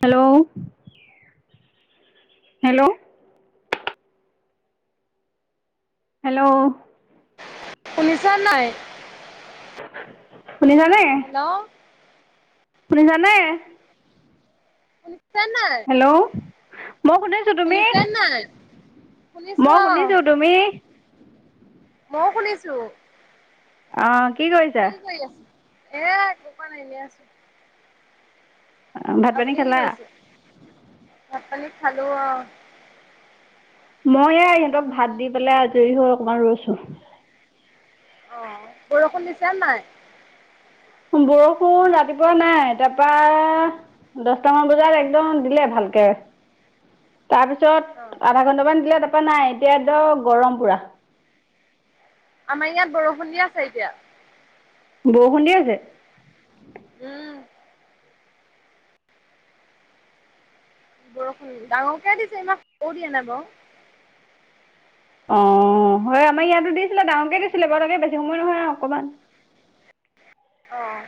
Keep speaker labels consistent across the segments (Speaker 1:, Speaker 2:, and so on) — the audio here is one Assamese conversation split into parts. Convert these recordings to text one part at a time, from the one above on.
Speaker 1: Hello hello. হেল্ল'।
Speaker 2: শুনিছা নাই।
Speaker 1: শুনিছানে?
Speaker 2: হেল্ল'
Speaker 1: সোনিছানে?
Speaker 2: শুনিছা নাই?
Speaker 1: হেল্ল'? মই শুনিছোঁ। তুমি?
Speaker 2: শুনিছা নাই? শুনিছো
Speaker 1: মই শুনিছোঁ। তুমি?
Speaker 2: মও শুনিছোঁ।
Speaker 1: অ'
Speaker 2: কি কৰি আছ? এ একো কৰা নাই। এনে আছোঁ।
Speaker 1: অ' ভাত-পানী খালা?
Speaker 2: ভাত-পানী খালোঁ আৰু।
Speaker 1: মই এয়া ইহঁতক ভাত দি পেলাই আজৰি হৈ অকমান ৰৈছোঁ।
Speaker 2: অ' বৰষুণ দিছেন নাই?
Speaker 1: বৰষুণ ৰাতিপুৱা নাই। তাৰপৰা দশটামান বজাত একদম দিলে ভাল কে।
Speaker 2: অ',
Speaker 1: তাৰপিছত আধা ঘন্টামান দিলে। তাৰপৰা নাই। এতিয়া একদম গৰম পুৰা।
Speaker 2: আমাৰ ইয়াত বৰষুণ দি আছে এতিয়া।
Speaker 1: বৰষুণ দি আছে?
Speaker 2: উম। বৰষুণ ডাঙৰকে দিছে। ইমান সৰু দিয়া নাই বাৰু।
Speaker 1: অ', হয় আমাৰ ইয়াতো দিছিলে, ডাঙৰকে দিছিলে। বৰ একে বেছি সময় নহয় আৰু অকমান। [inaudible]
Speaker 2: অ'।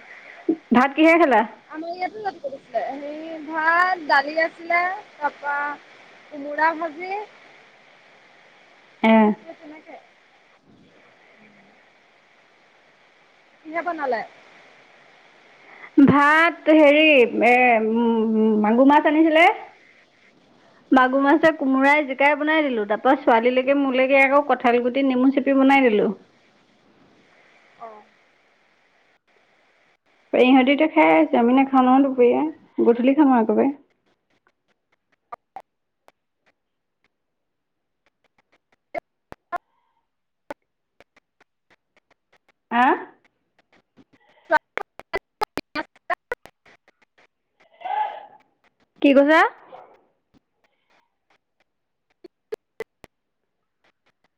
Speaker 1: ভাত কিহেৰে খালা
Speaker 2: আমাৰ ইয়াতো ৰাতিপুৱা দিছিলে। এই ভাত, দালি আছিলে। তাৰপৰা কোমোৰা ভাজি
Speaker 1: [inaudible]
Speaker 2: এ তেনেকে কিহে বনালে?
Speaker 1: ভাত হেৰি এ উম মাগুৰ মাছ আনিছিলে। মাগুৰ মাছে কোমোৰাই যে কে বনাই দিলোঁ। তাৰপৰা ছোৱালীলৈকে মোৰলৈকে আকৌ কঁঠাল গুটি, নেমু চেপি বনাই দিলোঁ। [inaudible]
Speaker 2: অ'।
Speaker 1: ইহঁতি এতিয়া খাই আছে। আমি নাখাওঁ নহয় দুপৰীয়া। গধূলি খাম আৰু একেবাৰে। [unintelligible] অ'?
Speaker 2: [unintelligible]
Speaker 1: কি কৈছা?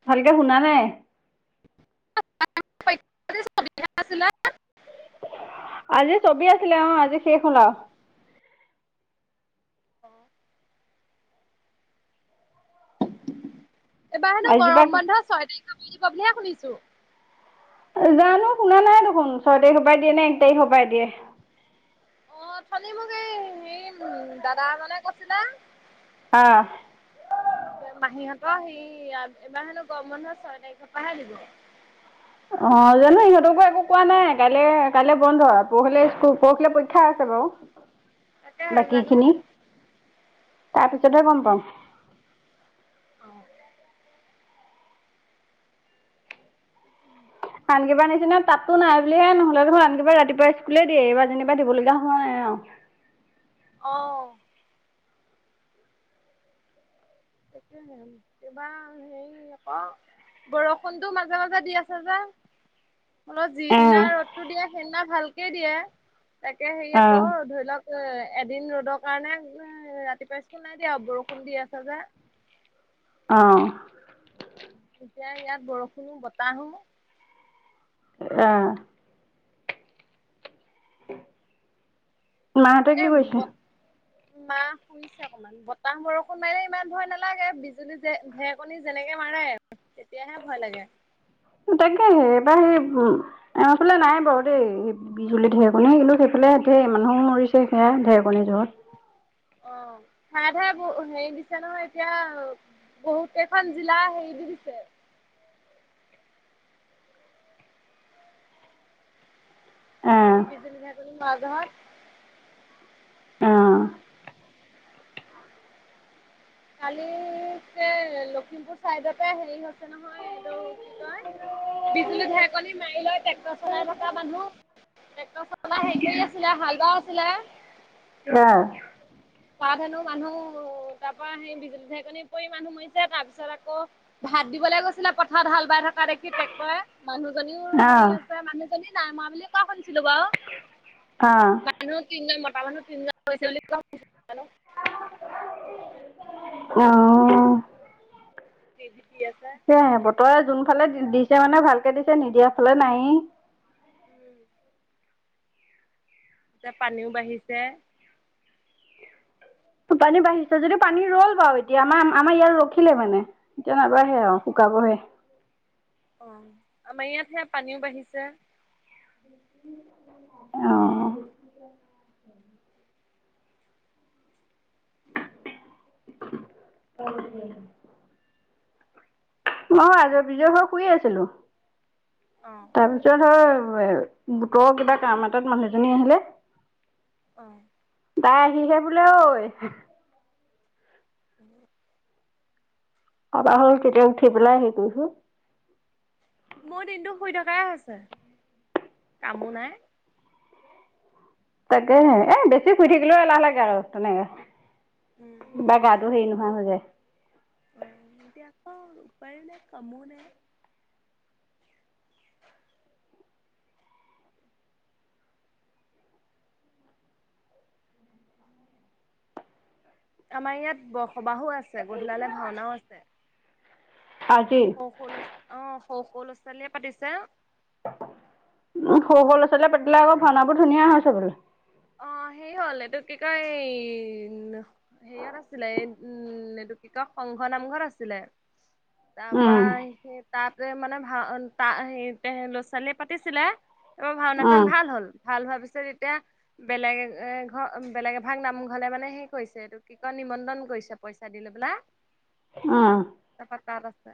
Speaker 1: ভালকে শুনা নাই।
Speaker 2: [unintelligible] আছিলে?
Speaker 1: আজি ছবি আছিলে। অ', আজি শেষ হ'ল আৰু।
Speaker 2: অ'। এইবাৰ হেনো
Speaker 1: আজিপা
Speaker 2: গৰম বন্ধ ছয় তাৰিখ [inaudible] ব বুলিহে শুনিছোঁ।
Speaker 1: জানো? শুনা নাই দেখোন। ছয় তাৰিখৰ পৰা দিয়ে নে এক তাৰিখৰ পৰাই দিয়ে।
Speaker 2: অ' অথনি মোক এই হেৰি উম দাদা এজনে কৈছিলে।
Speaker 1: আহ
Speaker 2: বে মাহীহঁত অ' সি এবাৰ হেনো গৰম বন্ধ ছয় তাৰিখৰ পৰাহে দিব।
Speaker 1: অ' জানো, সিহঁতকো একো কোৱা নাই। কাইলে- কাইলৈ বন্ধ। পৰহিলে স্কুল- পৰহিলৈ পৰীক্ষা আছ ৰু
Speaker 2: তাকেহে জানো
Speaker 1: বাকীখিনি। তাৰপিছতহে গম পাম।
Speaker 2: অ'।
Speaker 1: আন কিবাৰ নিচিনা তাতো নাই বুলিহে নহলে যে, মই ৰাতিপুৱাই - ৰাতিপুৱাই স্কুলে দেৰি হোৱা যেনিবা দিব লগীয়া হয়। অ'।
Speaker 2: অ'। তাকেহে। কিবা হেৰি আকৌ বৰষুণটো মাজে - মাজে দি আছে যে।
Speaker 1: [inaudible]
Speaker 2: অলপ যিদিনা
Speaker 1: অ
Speaker 2: ৰ'দটো দিয়ে সেইদিনা ভালকে দিয়ে তাকে হেৰি
Speaker 1: অ
Speaker 2: আকৌ ধৰি লওক এদিন ৰ'দৰ কাৰণে ৰাতিপুৱাই স্কুল নাই দিয়া বৰষুণ দি আছে যে
Speaker 1: অ
Speaker 2: এতিয়া ইয়াত বৰষুণো বতাহো
Speaker 1: আহ। মাহঁতে কি কৰিছে
Speaker 2: মাহ শুইছে অকনমান বতাহ বৰষুণ মাৰিলে ইমান ভয় নালাগে বিজুলী যে ধেৰেকণী যেনেকে ম তেতিয়াহে ভয় লাগে।
Speaker 1: এবাৰ সেই উ আমা ফালে নাই বাৰু দেই বিজুলী ঢেৰেকণি কিন্তু সেইফালে ধেই মানুহ মৰি ছে সেয়া ঢেৰেকণি যত
Speaker 2: ঠায় ঠায়ে বহু হেৰি দিছে নহয় এতিয়া বহুত কেইখন জিলা হেৰি দি দিছে। উ বি
Speaker 1: অ
Speaker 2: জলকীয়া জনি নাই নহয়।
Speaker 1: অ
Speaker 2: কালি যে লখিমপুৰ চাইডতে হেৰি হৈছে নহয় এইটো কি কয় বিজুলী ঢেৰেকণি মাৰি লয় ট্ৰেক্টৰ চলাই থকা মানুহ। ট্ৰেক্টৰ চলাই হেৰি কৰি আছিলে হালবাও আছিলে
Speaker 1: আহ
Speaker 2: পা ধেনো মানুহ তাৰ পৰা সেই বিজুলী ঢেৰকনি পৰি মানুহ মৰিছে তাৰ পিছত আকৌ হাত দিবলৈ গৈছিলে পথাৰত হাল বাই থকা দেখি টেক্টৰে মনুহ জনীও হেৰি
Speaker 1: অ
Speaker 2: হৈছে মানুহজনী নাই ময়া বুলি কোৱা শুনিছিলো বাও।
Speaker 1: অ অ
Speaker 2: মানুহ তিনিজন মতা মানুহ তিনিজন গৈছে বুলি কোৱা শুনিছোঁ জানো
Speaker 1: আহ।
Speaker 2: [unintelligible]
Speaker 1: তাকে বতৰে যোন ফালে দিছে মানে ভালকে দিছে নিদিয়া ফালে নাই
Speaker 2: উম এয়া পানীও বাঢ়িছে।
Speaker 1: পানী বাঢ়িছে যদি পানী ৰল বাৰু এতিয়া আমাৰ আমাৰ ইয়াত ৰখিলে মানে এতিয়া নাবাঢ়ে আৰু শুকাবহে। অ
Speaker 2: অ আমাৰ ইয়াত সেয়া পানীও বাঢ়িছে।
Speaker 1: আহ [unintelligible] মইও আজৰি বিজৰি হৈ শুই আছিলো।
Speaker 2: অ',
Speaker 1: তাৰপিছত হয় গোটৰ কিবা কাম এটাত মানুহজনী আহিলে।
Speaker 2: অ
Speaker 1: তাই আহিলে বোলে ঐ
Speaker 2: উম
Speaker 1: আবা হ'ল তেতিয়া উঠি পেলাই হেৰি কৰিছোঁ
Speaker 2: মোৰ দিনটো শুই থকাই হৈছে কামো নাই।
Speaker 1: তাকে এ বেছি শুই থাকিলেও এলাহ লাগে আৰু তেনেকে বা গাটো হেৰি ন নে।
Speaker 2: উম এতিয়া আকৌ উপায় নাই কামো নাই আমাৰ ইয়াত বসবাহো আছে গধূলালে ভাওনাও আছে।
Speaker 1: আজি
Speaker 2: সৌ অ সৌ সৌ ল'ৰা ছোৱালীয়ে পাতিছে।
Speaker 1: সৰু উম, সৰু লৰা ছোৱালীয়ে পাতিলে আক ভাওনাবোৰ ধুনীয়া হয় চাবলে
Speaker 2: অ সেই হ'ল এইটো কি কয় হেৰিয়ত আছিলে উম ক সংঘ নামঘৰত আছিলে।
Speaker 1: [inaudible]
Speaker 2: তাপা সেই তাতে মানে ভাও সেই ল'ৰা ছোৱালীয়ে পাতিছিলে। তাৰপৰা
Speaker 1: উম
Speaker 2: ভাওনাখন ভাল হল ভাল হোৱাৰ পিছত এতিয়া। বেলেগ ঘৰ বেলেগ এভাগ নামঘলে মানে হেই কৰিছে এইটো কি কয় নিমন্ত্ৰণ কৰিছে পইচা দি লৈ না
Speaker 1: উম
Speaker 2: তাত আছে।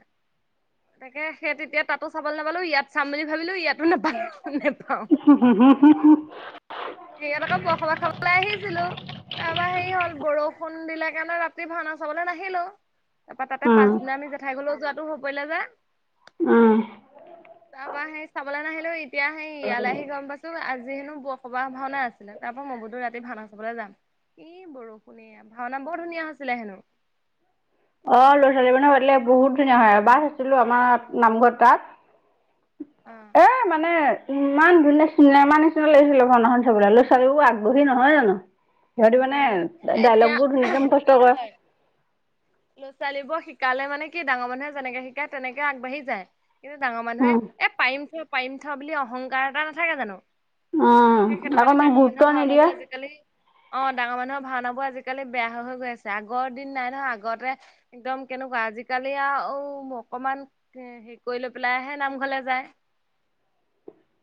Speaker 2: তাকে সেই তেতিয়া তাতো চাবলে নাপালোঁ ইয়াত চাম বুলি ভাবিলো ইয়াতো নাপালো নেপাওঁ।
Speaker 1: উম হুম হুম হুম হুম।
Speaker 2: ইয়াত আকৌ বসলা খাবলে আহিছিলো। তাৰপৰা হেৰী হ'ল বৰষুণ দিলে কাৰণে ৰাতি ভাওনা চাবলে নাহিলো। তাপা তাতে
Speaker 1: উম
Speaker 2: পাছদিনা আমি জেঠাই ঘৰলৈও যোৱাটো হৈ পৰিলে যে।
Speaker 1: অহ
Speaker 2: তাপা সেই চাবলে নাহিলো এতিয়া সেই ইয়ালে আহি গম পাইছোঁ আজি হেনো বৰসবাহ ভাওনা আছে। ছিলে তাপা মই বোলো ৰাতি ভাওনা চাবলে যাম ই বৰষুণে ভাওনা বৰ ধুনীয়া হৈছিলে হেনো।
Speaker 1: [inaudible] অ ল'ৰা ছোৱালীবোৰে পাতিলে বহুত ধুনীয়া হয়। এবা চাইছিলো আছিলো
Speaker 2: অ
Speaker 1: আমাৰ নামঘৰ তাত। এ মানে ইমান ধুনীয়া চিনেমা নিচিনা লাগিছিলে ভাওনাখন চাবলে। ল'ৰা ছোৱালীবোৰ আগ্ৰহী নহয় জানো। সিহঁতি
Speaker 2: উম
Speaker 1: মানে
Speaker 2: এতিয়া
Speaker 1: ডাইলগ বোৰ ধুনীয়াকে
Speaker 2: কি
Speaker 1: মুখস্থ কৰে৷
Speaker 2: হয় ল'ৰা ছোৱালীবোৰ শিকালে মানে কি ডাঙৰ মানুহে যেনেকে শিকায় তেনেকে আগবাঢ়ি যায় কিন্তু ডাঙৰ মানুহে
Speaker 1: উম
Speaker 2: এ পাৰিম চ পাৰিম থোৱা বুলি অহংকাৰ এটা নাথাকে জানো।
Speaker 1: উম
Speaker 2: সেই সেইটো কাৰণে
Speaker 1: অকণমান
Speaker 2: ডাঙৰ মানুহৰ
Speaker 1: গুৰুত্ব নিদিয়ে।
Speaker 2: ভাওনাবোৰ আজিকালি অ', ডাঙৰ মানুহৰ ভাওনা বোৰ আজিকালি বেয়া হৈ হৈ গৈ আছে আগৰ দিন নাই নহয় আগতে একদম কেনেকুৱা আজিকালি। এতিয়া অ অকমান হেৰি কৰি লৈ পেলাই হে নামঘৰলে যায়।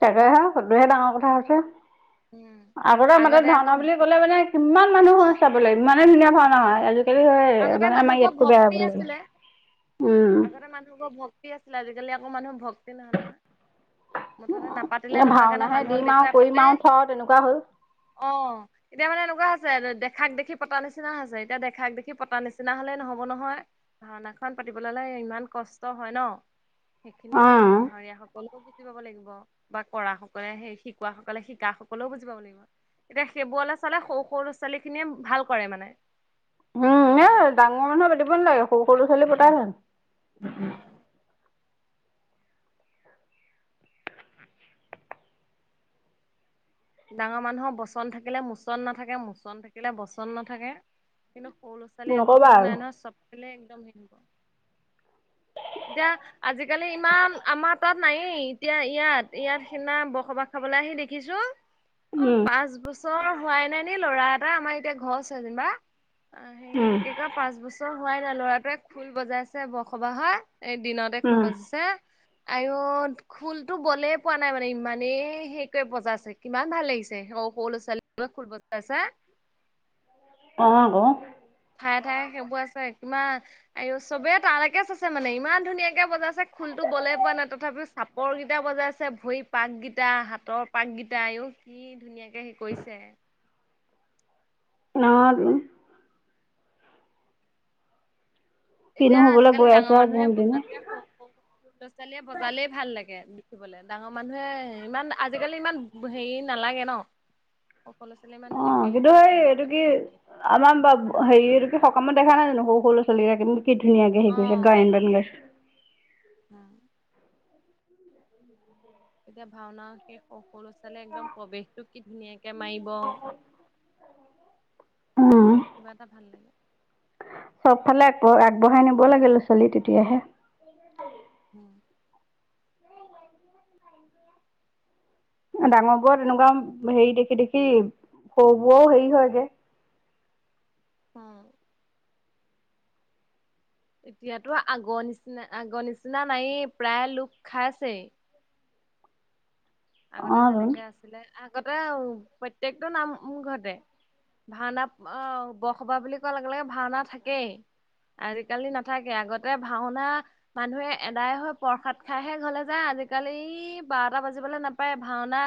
Speaker 1: তাকে হে সেইটো হে ডাঙৰ কথা হৈছে।
Speaker 2: উম,
Speaker 1: আগতে মাতত ভাওনা
Speaker 2: আকৌ
Speaker 1: বুলি ক'লে
Speaker 2: উম,
Speaker 1: মানে কিমান মানুহ হৈ চাবলে ইমান। ধুনীয়া ভাওনা হয় আজিকালি হে
Speaker 2: আগতে
Speaker 1: মানে আমা
Speaker 2: মানুহবোৰৰ
Speaker 1: ইয়াতকৈয়ো বেয়া
Speaker 2: ভক্তি
Speaker 1: হ'ব ল'লে।
Speaker 2: আছিলে।
Speaker 1: উম।
Speaker 2: আগতে মানুহবোৰৰ ভক্তি আছিলে আজিকালি আকৌ মানুহ ভক্তি নাই নহয়। মুঠতে
Speaker 1: এ
Speaker 2: নাপাতিলে নহয় কাৰণে
Speaker 1: ভাওনাহে
Speaker 2: মানুহক
Speaker 1: দিম আৰু
Speaker 2: দেখুৱাই
Speaker 1: কৰিম
Speaker 2: পাতে।
Speaker 1: আৰু থ তেনেকুৱা হ'ল।
Speaker 2: অঁ এতিয়া মানে এনেকুৱা হৈছে দেখাক দেখি পতা নিচিনা নিচিনা হৈছে এতিয়া দেখাক দেখি পতা নিচিনা হ'লে নহ'ব নহয়। ভাওনাখন পাতিবলৈ হ'লে ইমান কষ্ট হয় ন সেইখিনি
Speaker 1: অ'।
Speaker 2: ভাওৰীয়া সকলো বুজি পাব লাগিব বা কৰা সকলে সেই শিকোৱা সকলে শিকা সকলো বুজি পাব লাগিব। এতিয়া সেইবোৰলে চালে সৰু সৰু ল'ৰা ছোৱালী খিনিয়ে ভাল কৰে মানে।
Speaker 1: উম
Speaker 2: ডাঙৰ
Speaker 1: এ
Speaker 2: মানুহক
Speaker 1: ডাঙৰ মানুহে পাতিব নালাগে সৰু সৰু ছোৱালীয়ে পতাই ভাল। উম' [unintelligible]
Speaker 2: ডাঙৰ মানুহৰ বচন থাকিলে মুচন নাথাকে মুচন থাকিলে বচন নাথাকে। কিন্তু সৰু ল'ৰা ছোৱালী আকৌ
Speaker 1: নকবা
Speaker 2: সেইটো
Speaker 1: আৰু।
Speaker 2: নাই নহয়। চব ফালে একদম হেৰি হ'ব
Speaker 1: [unintelligible]
Speaker 2: এতিয়া আজিকালি ইমান আমাৰ তাত নায়েই এতিয়া ইয়াত ইয়াত সিদিনা বসবাহ খাবলে আহি দেখিছোঁ অ
Speaker 1: উম
Speaker 2: পাঁচ বছৰ হোৱাই নাই নি ল'ৰা এটা আমাৰ এতিয়া ঘৰ চ যেনিবা৷ অ
Speaker 1: উম
Speaker 2: সেইটো কি কয় পাঁচ বছৰ হোৱাই নাই ল'ৰাটোৱে খুল বজাইছে বসবাহত এই দিনতে খোল
Speaker 1: উম
Speaker 2: বাজিছে। আইও খুলতো বলে পোৱা নাই মানে ইমানেই হেৰিকৈ বজাইছে। কিমান ভাল লাগিছে সৰু সৰু ল'ৰা- ছোৱালী বোৰে খোল বজাইছে
Speaker 1: অ আকৌ।
Speaker 2: ঠায়ে ঠায়ে সেইবোৰ আছে কিমান আৰু চবেই তালৈকে চাইছে মানে ইমান ধুনীয়াকে বজাইছে খোল তোক বলে পোৱা নাই তথাপিও চাপৰ কেইটা বজাইছে। ভৰি পাককেইটা হাতৰ পাককিটা আইও। যি ধুনীয়াকে হেই কৰিছে।
Speaker 1: অ তু কিনো
Speaker 2: এতিয়া
Speaker 1: হ'বলৈ
Speaker 2: আজিকালি
Speaker 1: গৈ আছে
Speaker 2: ডাঙৰ
Speaker 1: আৰু
Speaker 2: মানুহে
Speaker 1: দিনক দিনে।
Speaker 2: বজাতকে সৰু সৰু ল'ৰা ছোৱালীয়ে বজালেই ভাল লাগে। দেখিবলে ডাঙৰ মানুহে ইমান আজিকালি ইমান হেৰী নালাগে ন। সৰু ল'ৰা ছোৱালীয়ে ইমান
Speaker 1: অ
Speaker 2: ধুনীয়াকে হেৰি
Speaker 1: কিন্তু
Speaker 2: কৰে
Speaker 1: সেই
Speaker 2: সিহঁতকে
Speaker 1: এইটো কি
Speaker 2: ভাল লাগে
Speaker 1: আমাৰ হেৰী এইটো কি সকামত দেখা নাই জানো সৰু সৰু ল'ৰা-ছোৱালী কি ধুনীয়াকে হেৰি কৰিছে গায়েন বায়েন গাইছে।
Speaker 2: উম' এতিয়া ভাওনা সেই সৰু ছোৱালে একদম প্ৰৱেশটো কি ধুনীয়াকে এ মাইব
Speaker 1: উম,
Speaker 2: কিবা এটা ভাল লাগে৷
Speaker 1: চবফালে আগ আগবঢ়াই নিব লাগেল চলি তেতিয়াহে ডাঙৰ বোৰ তেনেকুৱা হেৰি দেখি দেখি সৰু বোৰও হেৰি হয়গে।
Speaker 2: উম। এতিয়াতো আগৰ নিচিনা আগৰ নিচিনা নায়েই প্ৰায় লোক খাইছেই আগতে
Speaker 1: অ' তোন
Speaker 2: যেনেকে আছিলে আগতে প্ৰত্যেকটো নামঘৰতে। ভাওনা আহ বসবাহ বুলি কোৱাৰ লগে লগে ভাওনা থাকেই। আজি কালি নাথাকে আগতে ভাওনা মানুহে এদায় হৈ প্ৰসাদ খাইহে ঘৰলে যায়। আজিকালি বাৰটা বাজিবলৈ নাপায় ভাওনা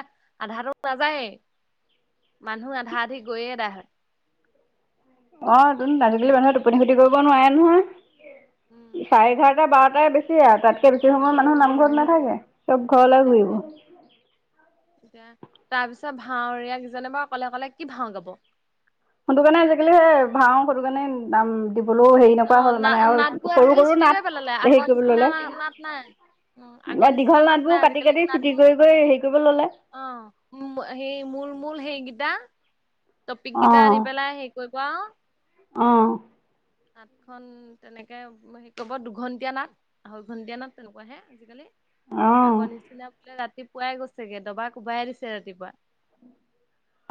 Speaker 2: আধাটো নাযায়েই মানুহ আধা আধি গৈয়ে এদাই হয়।
Speaker 1: অ তোন আজিকালি মানুহে টোপনি খতি কৰিব নোৱাৰে
Speaker 2: উম,
Speaker 1: নহয়। চাৰে এঘাৰটা বাৰ- তাই বেছি আৰু তা'ত কে বেছি সময়ৰ মানুহ নামঘৰত নাথাকে। চব ঘৰলৈ ঘূৰিব।
Speaker 2: তাকে তাৰ পিছত ভাৱৰীয়াই কিজনে বাৰু অকলে অকলে কি ভাওঁ ল'ব।
Speaker 1: সটো কাৰণে আজিকালি সে ভাও সটো কাৰণে নাম- দিবলৈও হেৰি নকৰা
Speaker 2: অ
Speaker 1: হ'ল
Speaker 2: না
Speaker 1: মানে আৰু
Speaker 2: নাটবোৰ
Speaker 1: সৰু
Speaker 2: আজিকালি
Speaker 1: সৰু
Speaker 2: ছুটি
Speaker 1: নাট
Speaker 2: কৰি পেলালে
Speaker 1: হেৰি
Speaker 2: আগৰ
Speaker 1: কৰিব ল'লে।
Speaker 2: নিচিনা নাট নাই। উম, আগৰ নিচিনা
Speaker 1: দীঘল
Speaker 2: নাট
Speaker 1: নাটবোৰ
Speaker 2: নাই
Speaker 1: কাটি-কাটি চুটি কৰি-কৰি হেৰি কৰিব ললে৷
Speaker 2: অঁ হেই মূল মূল হেই দা টপিক কেইটা আনি
Speaker 1: অ'
Speaker 2: পেলাই হেৰি কৰিব আউ। নাটখন তেনেকে কব গ'লে দুঘন্টীয়া নাট দুঘন্টীয়া নাট তেনেকুৱাহে আজিকালি।
Speaker 1: অ' অ'।
Speaker 2: আগৰ নিচিনা বোলে ৰাতি- পুৱাই গৈছে গে দবা কোবাই দিছে ৰাতিপুৱা।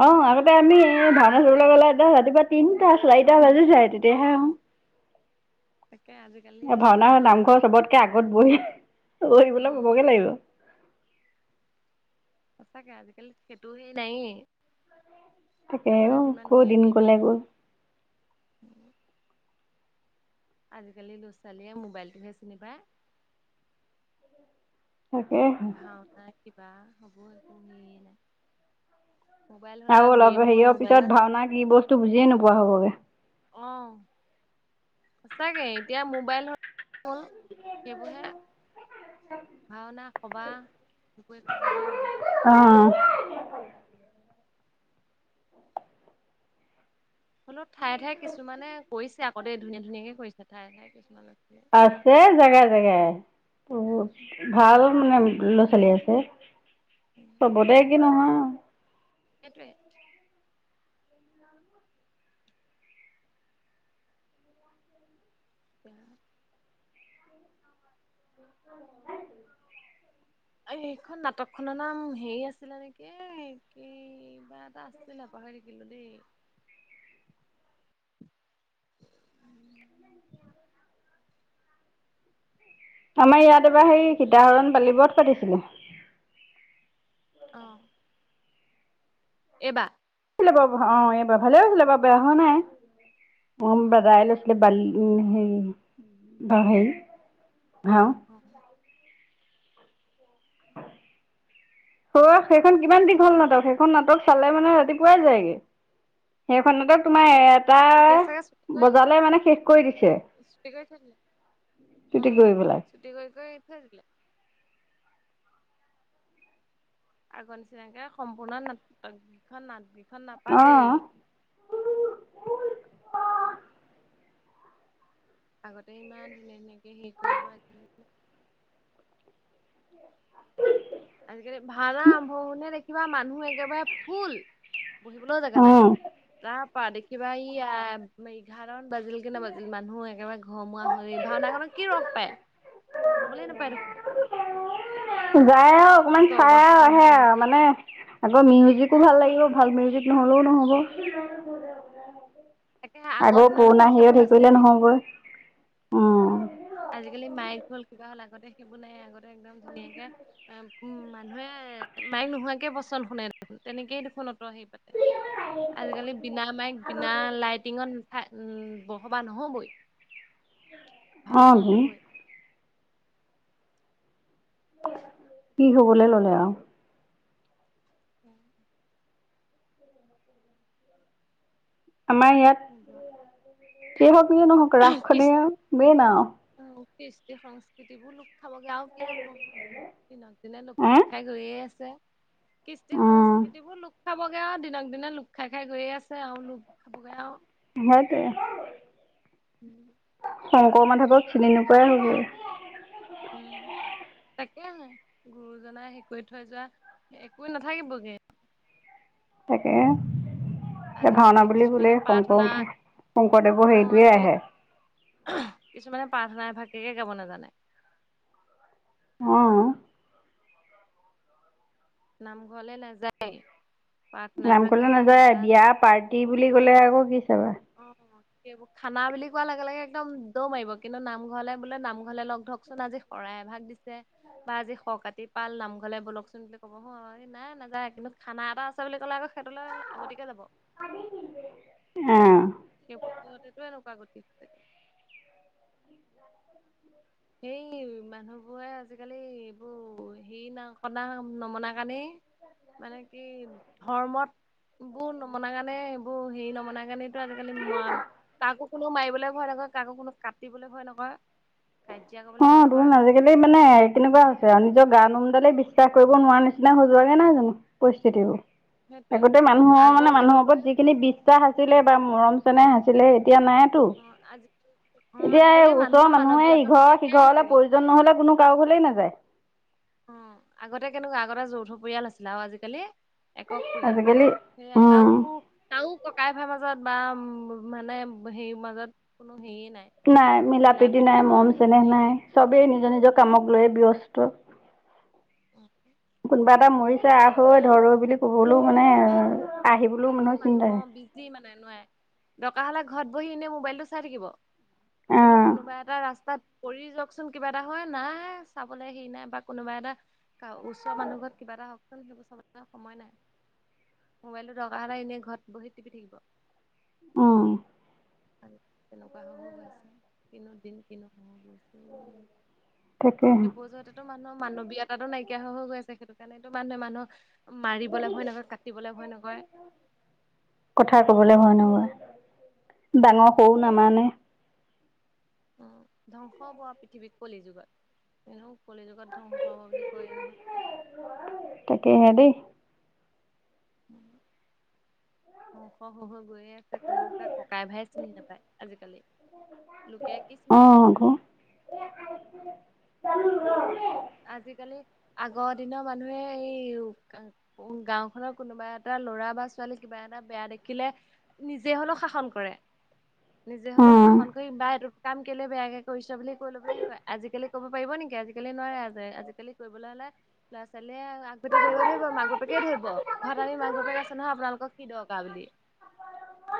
Speaker 1: অঁ আগতে আমি ভাওনা চাবলৈ গ'লে একদম ৰাতিপুৱা তিনটা চাৰিটা বাজে যায় তেতিয়াহে অঁ
Speaker 2: অ' তাকে আজিকালি
Speaker 1: এ ভাওনা
Speaker 2: তেনেকুৱা নাই
Speaker 1: নামঘৰ চবতকে আগত বহি বহিবলৈ
Speaker 2: উম,
Speaker 1: পাবগে লাগিব।
Speaker 2: সঁচাকে আজিকালি সেইটো সেই নাই।
Speaker 1: তাকে ও ক দিন কলে গ'ল। [inaudible]
Speaker 2: আজিকালি ল'ৰা ছোৱালীয়ে মোবাইলটোহে চিনি পায়।
Speaker 1: তাকে
Speaker 2: ভাওনা কিবা হ'ব একোয়েই নাই। মোবাইল হ'ল
Speaker 1: আৰু অলপ
Speaker 2: গেম হ'ল
Speaker 1: হেৰিয়ৰ পিছত
Speaker 2: মোবাইলত
Speaker 1: ভাওনা কি বস্তু বুজিয়ে নোপোৱা হ'বগে।
Speaker 2: অ
Speaker 1: [inaudible]
Speaker 2: সঁচাকে এতিয়া মোবাইল হ'ল সেইবোৰহে। ভাওনা কবা একো একো বুজিয়ে নাপায়।
Speaker 1: [unintelligible]
Speaker 2: হলেও ঠায়ে ঠায়ে কিছুমানে কৰিছে আগতে ধুনীয়া ধুনীয়াকে কৰিছে ঠায়ে ঠায়ে কিছুমানে।
Speaker 1: আছে জেগাই জেগাই ব ভাল- মানে ল'ৰা- ছোৱালী আছে চবতে কি নহয়।
Speaker 2: সেইটোৱে। [inaudible]
Speaker 1: [unintelligible]
Speaker 2: এইখন নাটক খনৰ নাম হেৰি আছিলে নেকি কিবা এটা আছিলে পাহৰি থাকিলোঁ দেই।
Speaker 1: [inaudible] আমাৰ ইয়াত এবাৰ সেই সীতাহৰণ বালি বত পাতিছিলো।
Speaker 2: অঁ এইবা
Speaker 1: হৈছিলে বা ভা অঁ এইবাৰ ভালে হৈছিলে বাৰু বেয়া হোৱা নাই ভোম
Speaker 2: অ
Speaker 1: দাদাই লৈছিলে বালি উম হেই বাহেই
Speaker 2: অ
Speaker 1: [inaudible] অ সেইখন কিমান দীঘল নাটক সেইখন নাটক চালে মানে ৰাতিপুৱাই যায় গে। সেইখন নাটত তোমাৰ এ
Speaker 2: এতিয়া
Speaker 1: এটাহ
Speaker 2: চাগে ছুটি কৰি
Speaker 1: বজালে মানে শেষ কৰি দিছে৷
Speaker 2: ছুটি কৰি থৈ দিলে
Speaker 1: টুটি গৈ পেলাই।
Speaker 2: সেইদিকি [unintelligible] আগ চিনাকে সম্পূৰ্ণ নাট [unintelligible] নাট খন নাপাতেই
Speaker 1: অ',
Speaker 2: আগতে ইমান ধুনীয়া ধুনীয়াকে হেৰি কৰিব আজিলে [unintelligible]
Speaker 1: [unintelligible]
Speaker 2: আজিকালি ভাওনা আৰম্ভ হওঁতে দেখিবা মানুহ একেবাৰে ফুল বহিবলৈও জেগা নাই
Speaker 1: অ',
Speaker 2: তাৰ পৰা দেখিবা এঘাৰটা বাজিল কি নাবাজিল মানুহ একেবাৰে ঘৰমুৱা হৈ ভাওনাখনত কি ৰস পায় খাবলে নাপায় দেখোন।
Speaker 1: যায় আৰু
Speaker 2: কি
Speaker 1: অকমান
Speaker 2: বুজি পাব
Speaker 1: চাই
Speaker 2: বাৰু
Speaker 1: আৰু
Speaker 2: সেইখন
Speaker 1: আহে
Speaker 2: ভাওনা
Speaker 1: আৰু
Speaker 2: চাই
Speaker 1: মানে আকৌ মিউজিক তোৰ ভাল লাগিব ভাল মিউজিক নহ'লেও নহ'ব।
Speaker 2: তাকে
Speaker 1: আগৰ
Speaker 2: দিনত
Speaker 1: পুৰণা
Speaker 2: দেখোন সেইবোৰ
Speaker 1: হিৰত হেৰি কৰিলে
Speaker 2: নাছিলেই
Speaker 1: নহবই উম
Speaker 2: আজিকালি মাইক হল কিবা হ'ল আগতে সেইবোৰ নাই আগতে একদম ধুনীয়াকে এ উম মানুহে মায়ক নোহোৱাকে বচন্দ শুনে দেখোন তেনেকেই দেখোন সেই পাতে, আজিকালি বিনা মাইক বিনা লাইটিঙত- উম বৰ সবা নহবই ভাওনা
Speaker 1: অ',
Speaker 2: নহবই।
Speaker 1: কি হবলৈ ল'লে আৰু
Speaker 2: উম
Speaker 1: আমাৰ ইয়াত যি হওক যিয়েই নহওক ৰাস খনেই আও মেন আও৷
Speaker 2: কৃষ্টি সংস্কৃতি বোৰ লোক খাবগে আৰু কি হব দিনক দিনে লোক
Speaker 1: হে
Speaker 2: খাই খাই গৈয়ে আছে কৃষ্টি
Speaker 1: উম
Speaker 2: সংস্কৃতি বোৰ লোক। খাবগে আও দিনক দিনে লোক খাই খাই গৈয়ে আছে আও লোক খাবগে আও।
Speaker 1: সেইটোৱে
Speaker 2: উম
Speaker 1: শংকৰ মাধৱক চিনি নোপোৱাই হ' গৈ
Speaker 2: উম। তাকেহে গুৰুজনাই হেই কৰি থৈ যোৱা একো নাথাকিবগে৷
Speaker 1: তাকে এই ভাওনা
Speaker 2: আজিকালি
Speaker 1: বুলি কলে
Speaker 2: কিছুমানে প্ৰাৰ্থনা
Speaker 1: শংকৰ শংকৰদেৱৰ
Speaker 2: অ
Speaker 1: সেইটোৱে
Speaker 2: আজিকালি
Speaker 1: আহে৷
Speaker 2: কিছুমানে প্ৰাৰ্থনাই এভাকেকে গাব নাজানে।
Speaker 1: অ
Speaker 2: নামঘৰলৈ নাযায়ে।
Speaker 1: নাম কলে নাযায় বিয়া, পাৰ্টি বুলি ক'লে আকৌ কি চাবা।
Speaker 2: অ সেইবোৰ খানা বুলি কোৱাৰ লগে লগে একদম দৌৰ মাৰিব কিন্তু নামঘৰলে বোলে নামঘৰলে লগ ধৰকচোন আজি শৰাই এভাগ দিছে। বা আজি শ কতি পাল নামঘলে বলকচোন বুলি ক'ব হ এই নাই নাযায় কিন্তু খানা এটা আছে বুলি ক'লে আকৌ এখেতলে আগতিয়াকে যাব।
Speaker 1: অহ।
Speaker 2: সেই বধতটো এনেকুৱা গতি থ যায় [unintelligible] হেই মানুহবোৰে আজিকালি এইবোৰ হেই না কনা নমনা কাৰণেই। মানে কি ধৰ্মত বোৰ নমনা কাৰণে এইবোৰ হেৰি নমনা কাৰণেই আজিকালি মআ কাকো কোনো মাৰিবলৈ ভয় নকয়, কাকো কোনো কাটিবলৈ ভয় নকয়।
Speaker 1: অ তোন আজিকালি মানে কেনেকুৱা হৈছে আ নিজৰ গা লোমডালে বিশ্বাস কৰিব নোৱাৰা নিচিনা হৈ যোৱাগে নহয় জানো! পৰিস্থিতিবোৰ
Speaker 2: সেইটোৱে
Speaker 1: আগতে মানুহৰ মানে
Speaker 2: আগৰ
Speaker 1: মানুহৰ
Speaker 2: কেনেকুৱা
Speaker 1: ওপৰত যিখিনি বিশ্বাস আছিলে মৰম চেনেহ আছিলে এতিয়া নাইতো
Speaker 2: অ আজি অ আজিকালি মানুহৰ মানৱীয়তা নাই।
Speaker 1: সি ঘৰলে প্ৰয়োজন নহলে কোনো কাৰো ঘলে নাযায়৷
Speaker 2: অ আগতে কেনেকুৱা আগতে যৌথ পৰিয়াল আছিলে আৰু আজিকালি একক পৰিয়াল
Speaker 1: আজিকালি
Speaker 2: সে
Speaker 1: উম।
Speaker 2: তাও তাও ককাই ভাই বা উ মানে সেই মাজত কোনো
Speaker 1: নাই মিলা প্ৰীতি নাই মৰম চেনেহ নাই চবেই নিজৰ নিজ নিজৰ কামক লৈয়ে ব্যস্ত
Speaker 2: উম,
Speaker 1: কোনোবা এটা মৰিছে আহ হৈ
Speaker 2: এতিয়া
Speaker 1: ধৰ ধৰ বুলি কবলৈও মানে আহিবলৈও মানুহ চিন্তা হে
Speaker 2: বিজী মানে নোৱাৰে দকা ঘৰত বহি এনে মোবাইল টো চাই থাকিব কিন্তু
Speaker 1: অহ,
Speaker 2: কোনোবাই এটা ৰাস্তাত কৰি যাওকচোন কিবা এটা হয় নাই চাবলৈ হেৰি নাই বা কোনোবা এটা ওচৰ মানুহ ঘৰত কিবা এটা হওকচোন সেইবোৰ চাবলে তাৰ সময় নাই মোবাইলটো দৰকাৰ হ'লে এনেই ঘৰত বহি টিপি থাকিব৷
Speaker 1: উম
Speaker 2: হয় তেনেকুৱা [unintelligible] আছে কিনো দিন কিনো সহ গৈছো
Speaker 1: তাকেহে
Speaker 2: সেইবোৰ জোৱাতেতো মানুহৰ মানৱীয় [unintelligible] তাতো নাইকিয়া হৈ-হৈ গৈ আছে সেইটো কাৰণেত মানুহে মানুহ মাৰিবলৈ ভয় নকৰে কাটিবলে ভয় নকৰে
Speaker 1: কথা কবলে ভয় নকৰে। ডাঙৰ সৰু নামানে
Speaker 2: উম ধ্বংস হ'ব আও পৃথিৱীত কলি যুগত৷ এনেও কলি যুগত ধ্বংস হব বুলি কৱ নহয়৷
Speaker 1: তাকে হে দেই। [unintelligible]
Speaker 2: ধ্বংস হয় হয় গৈয়ে আছে কোনোকে ককাই ভাই চিনি নাপায় আজিকালি লোকে কি
Speaker 1: অ
Speaker 2: চিনি পাব৷
Speaker 1: আকৌ [unintelligible]
Speaker 2: আজিকালি আগৰ দিনৰ মানুহে এই ই গাওঁখনৰ কোনোবা এটা ল'ৰা বা ছোৱালী কিবা এটা বেয়া দেখিলে নিজে হলেও শাসন কৰে৷
Speaker 1: [unintelligible]
Speaker 2: নিজে
Speaker 1: অ।
Speaker 2: হলেও শাসন কৰি বা এইটো কাম কেলে বেয়াকে কৰিছ বুলি কৈ লৈ পেলাই সেই কয়। আজিকালি ক'ব পাৰিব নেকি আজিকালি নোৱাৰে। আজি আজিকালি কৰিবলৈ হলে ল'ৰা ছোৱালীয়ে আগভেটি ধৰিব ধৰিব মাক বাপেকে ধৰিব ঘৰত আনি মাক বাপে আ নহয় আপোনালোকক কি দৰকা বুলি।
Speaker 1: [unintelligible]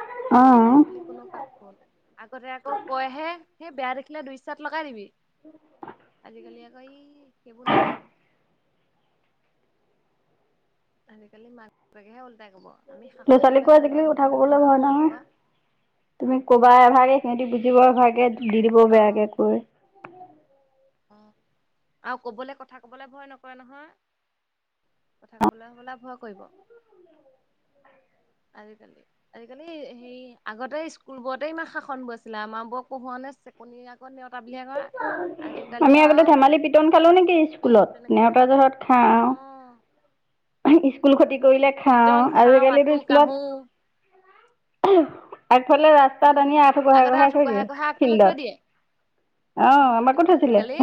Speaker 2: আজিকালি কোনো কাক কৱ [unintelligible] আগতে আকৌ কয়হে সেই বেয়া দেখিলে দুই চাত লগাই দিবি আজিকালি আকৌ ই সেইবোৰ নহব আজিকালি মাক বাপেকেহে ওলটাই কব আমি
Speaker 1: ল'ৰা
Speaker 2: শাসন
Speaker 1: ছোৱালীকো
Speaker 2: কৰিবলৈ ঘৰত
Speaker 1: আজিকালি
Speaker 2: মাক
Speaker 1: কথা
Speaker 2: বাপেক আছোঁ
Speaker 1: কবলৈ
Speaker 2: নহয়
Speaker 1: ভয়
Speaker 2: আপোনালোকৰ
Speaker 1: তুমি কবা
Speaker 2: উম
Speaker 1: এভাগে সিহঁতি বুজিব এভাগে দি দিব
Speaker 2: অ
Speaker 1: বেয়াকে কৈ
Speaker 2: অ আৰু কবলে কথা কবলৈ ভয় নকৰে নহয় কথা কবলৈ হ'বলা ভয় কৰিব! আজিকালি আজিকালি হেৰি আগতে স্কুল বোৱতেই ইমান শাসন বোৰ আছিলে, আমাৰ বোৰক পঢ়োৱা না- চেকনিয়ে আকৌ নেওতা বুলিয়ে কৈ।
Speaker 1: আমি আগতে ধেমালি পিটন খালো নেকি
Speaker 2: সেই
Speaker 1: স্কুলত,
Speaker 2: তেনেকে
Speaker 1: নেওতা জহত খাওঁ।
Speaker 2: অ
Speaker 1: স্কুল ক্ষতি কৰিলে
Speaker 2: পিটন
Speaker 1: খাওঁ,
Speaker 2: খাওঁ আঁঠু
Speaker 1: আজিকালিতো
Speaker 2: কাঢ়ো
Speaker 1: স্কুলত আগফালে ৰাস্তাত
Speaker 2: উম
Speaker 1: আনি আঁঠু
Speaker 2: আগতে
Speaker 1: কঢ়াই-কঢ়াই
Speaker 2: আঁঠু
Speaker 1: থৈ
Speaker 2: কঢ়াই
Speaker 1: দিয়ে
Speaker 2: কঢ়াই আগফালে থৈ দিয়ে
Speaker 1: ফিল্ডত৷ অ'
Speaker 2: কিন্তু
Speaker 1: আমাকো থৈছিলে।
Speaker 2: আজিকালি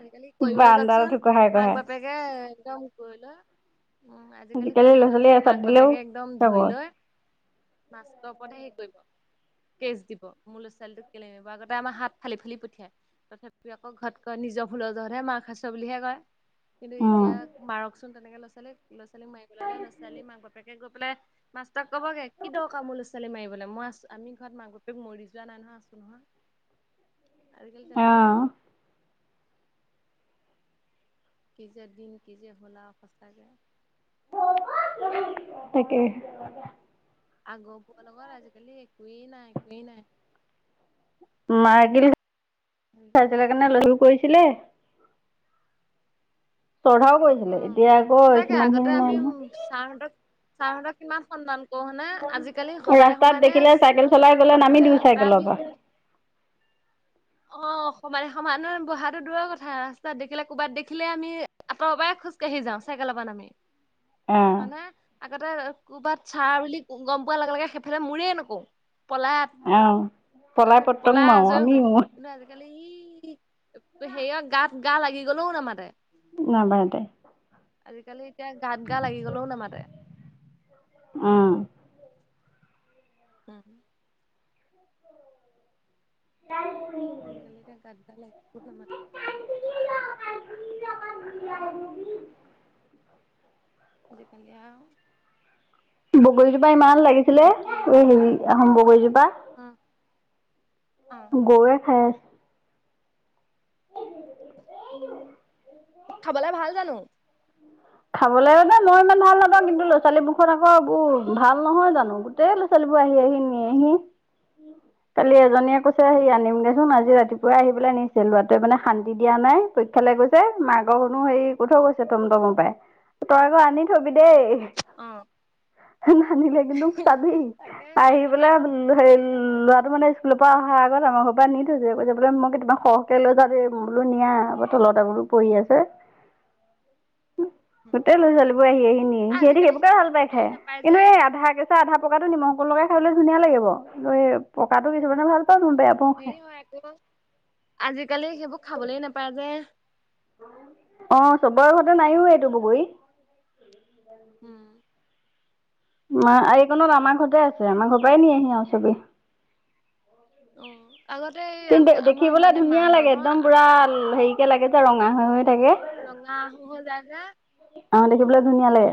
Speaker 2: আজিকালি কৰিবলৈ
Speaker 1: বাৰান্দাত আঁঠু
Speaker 2: যাওকচোন
Speaker 1: কঢ়াই
Speaker 2: মাক
Speaker 1: কঢ়াই।
Speaker 2: বাপেকে এ একদম ধৰি লয়। উম। আজিকালি
Speaker 1: ল'ৰা
Speaker 2: কৰিবলৈ
Speaker 1: ছোৱালী
Speaker 2: যাওকচোন
Speaker 1: এচাত
Speaker 2: মাক
Speaker 1: দিলেও
Speaker 2: বাপেকে একদম ধৰি
Speaker 1: চাগৰ
Speaker 2: লয়, মাষ্টাৰৰ ওপৰতহে হেৰি [unintelligible] কেচ দিব, মোৰ ল'ৰা ছোৱালীটোক কেলে, আগতে আমাৰ হাত ফালি ফালি পঠিয়াই। তথাপিও আক ঘৰত কয় নিজৰ ভুলৰ জহতহে মাৰ খাইচ বুলিহে কয়। কিন্তু
Speaker 1: উম
Speaker 2: এতিয়া মাৰকচোন তেনেকে ল'ৰা ছোৱালীক, লৰা ছোৱালীক মাৰিবলৈ ল'লে ল'ৰা ছোৱালীৰ মাক বাপেকে গৈ পেলাই মাষ্টৰক কবগে কি দৰকাৰ মোৰ লৰা ছোৱালী মাৰিবলে, মই আছো আমি ঘৰত মাক বাপেক মৰি যোৱা নাই নহয় আছো নহয়। আজিকালি তেনেকুৱাহে।
Speaker 1: অহ।
Speaker 2: কি যে দিন কি যে হ'ল আৰু সঁচাকে।
Speaker 1: তাকে।
Speaker 2: আগৰ বোৰৰ লগত আজিকালি একোৱেই নাই, একোৱেই নাই।
Speaker 1: [unintelligible] [unintelligible]
Speaker 2: আজিকালি
Speaker 1: শ্ৰদ্ধাও কৰিছিলে
Speaker 2: অ',
Speaker 1: এতিয়া আকৌ
Speaker 2: সঁচাকে
Speaker 1: সিমান খিনি নাই নহয়।
Speaker 2: ছাৰ হতক কিমান সন্মান [unintelligible] আজিকালি সমানে
Speaker 1: ৰাস্তাত
Speaker 2: সমানে
Speaker 1: দেখিলে চাইকেল চলাই
Speaker 2: মাষ্টৰৰ
Speaker 1: গ'লে
Speaker 2: লগত
Speaker 1: নামি
Speaker 2: বহে।
Speaker 1: দিওঁ
Speaker 2: আগতে
Speaker 1: চাইকেলৰ
Speaker 2: আমি
Speaker 1: পৰা [inaudible]
Speaker 2: অ' সমানে সমানৰ বহাতো দূৰৰ কথা, ৰাস্তাত দেখিলে কুবাত দেখিলে আমি আঁতৰৰ পৰাই খোজ কাঢ়ি যাওঁ চাইকেলৰ পৰা নামি।
Speaker 1: অঁ
Speaker 2: হয় নে? আগতে ক'বাত ছাৰ‌ বুলি গম পোৱা লগে লগে সেইফালে মূৰে‌ নকও। পলাত
Speaker 1: অঁ পলাই
Speaker 2: আৰু
Speaker 1: পতং
Speaker 2: পলাই
Speaker 1: মাৰোঁ
Speaker 2: আজৰি
Speaker 1: আমি
Speaker 2: হও। আজিকালি ই হেৰিয়ত গাত গা লাগি গলেও নামাতে।
Speaker 1: নামাতে।
Speaker 2: আজিকালি এতিয়া গাত গা লাগি গলেও নামাতে।
Speaker 1: অ'।
Speaker 2: উম।
Speaker 1: [inaudible]
Speaker 2: আজিকালি এতিয়া গাত গা লাগিবও নামাতে।
Speaker 1: [unintelligible]
Speaker 2: আজিকালি আও
Speaker 1: বগৰীজোপা ইমান লাগিছিলে, এই হেৰি আহোম বগৰীজোপা।
Speaker 2: [unintelligible]
Speaker 1: গৰুৱে খাই আছে।
Speaker 2: খাবলে ভাল জানো?
Speaker 1: খাবলে মানে মই ইমান ভাল নাপাওঁ কিন্তু ল'ৰা ছোৱালী মুখত আকৌ এইবোৰ ভাল নহয় জানো গোটেই ল‌ ছোৱালী আহি আহি নিয়েহি কালি এজনীয়ে কৈছে আহি আনিম। দে চোন আজি
Speaker 2: অ',
Speaker 1: ৰাতিপুৱাই আহি পেলাই নি ছে লৰাটোৱে মানে শান্তি দিয়া নাই পৰীক্ষালৈ গৈছে, মাকক হেনো হেৰি কৈ থৈ গৈছে [unintelligible] তই আকৌ আনি থবি দেই।
Speaker 2: অ',
Speaker 1: নানিলে কিন্তু চাবি
Speaker 2: তাকে
Speaker 1: আহি
Speaker 2: আগতে
Speaker 1: পেলাই
Speaker 2: আকৌ
Speaker 1: হে ল
Speaker 2: হেৰি নহয়
Speaker 1: -ল'ৰাটো মানে স্কুলৰ পৰা অহা আগত আমাৰ ঘৰ পৰা নি থৈছে কৈছে বোলে মই কেইটামান সৰহকে লৈ যাও দেই, বোলো নিয়া, তলত [unintelligible] পৰি আছে। [inaudible] গোটেই লৰা ছোৱালীবোৰে আহি আহি নিয়েহি। সিহঁতি
Speaker 2: আজিকালি
Speaker 1: সেইবোৰকে
Speaker 2: সেইবোৰ
Speaker 1: ভাল পাই
Speaker 2: খাবলে
Speaker 1: খায়।
Speaker 2: নাপায় যে
Speaker 1: কিন্তু এই আধা কেঁচা আধা পঁকাটো নিমখ [unintelligible] লগাই খাবলৈ ধুনীয়া লাগিব [unintelligible] পকাটো কিছুমানে ভাল পাওঁ মই বেয়া পাওঁ খাই
Speaker 2: হেৰি হয় [unintelligible] আজিকালি সেইবোৰ খাবলে নেপায় যে।
Speaker 1: অ' চবৰ ঘৰতে নাইও এইটো বগৰী।
Speaker 2: উম
Speaker 1: মা
Speaker 2: তাকে
Speaker 1: আৰু এইকনত আমাৰ ঘৰতে আছে, আমাৰ ঘৰৰ পৰাই নিয়েহি আৰু চবে।
Speaker 2: অ'। আগতে এই
Speaker 1: কিন্তু
Speaker 2: আমি আমাৰ
Speaker 1: দেখিবলে
Speaker 2: মানে
Speaker 1: ধুনীয়া
Speaker 2: মাহঁতৰ
Speaker 1: লাগে,
Speaker 2: ঘৰ
Speaker 1: একদম পুৰা হেৰি কে লাগে যে ৰঙা হৈ হৈ। থাকে
Speaker 2: ৰঙা আঁহো হৈ যায় যে।
Speaker 1: অঁ দেখিবলৈ ধুনীয়া লাগে।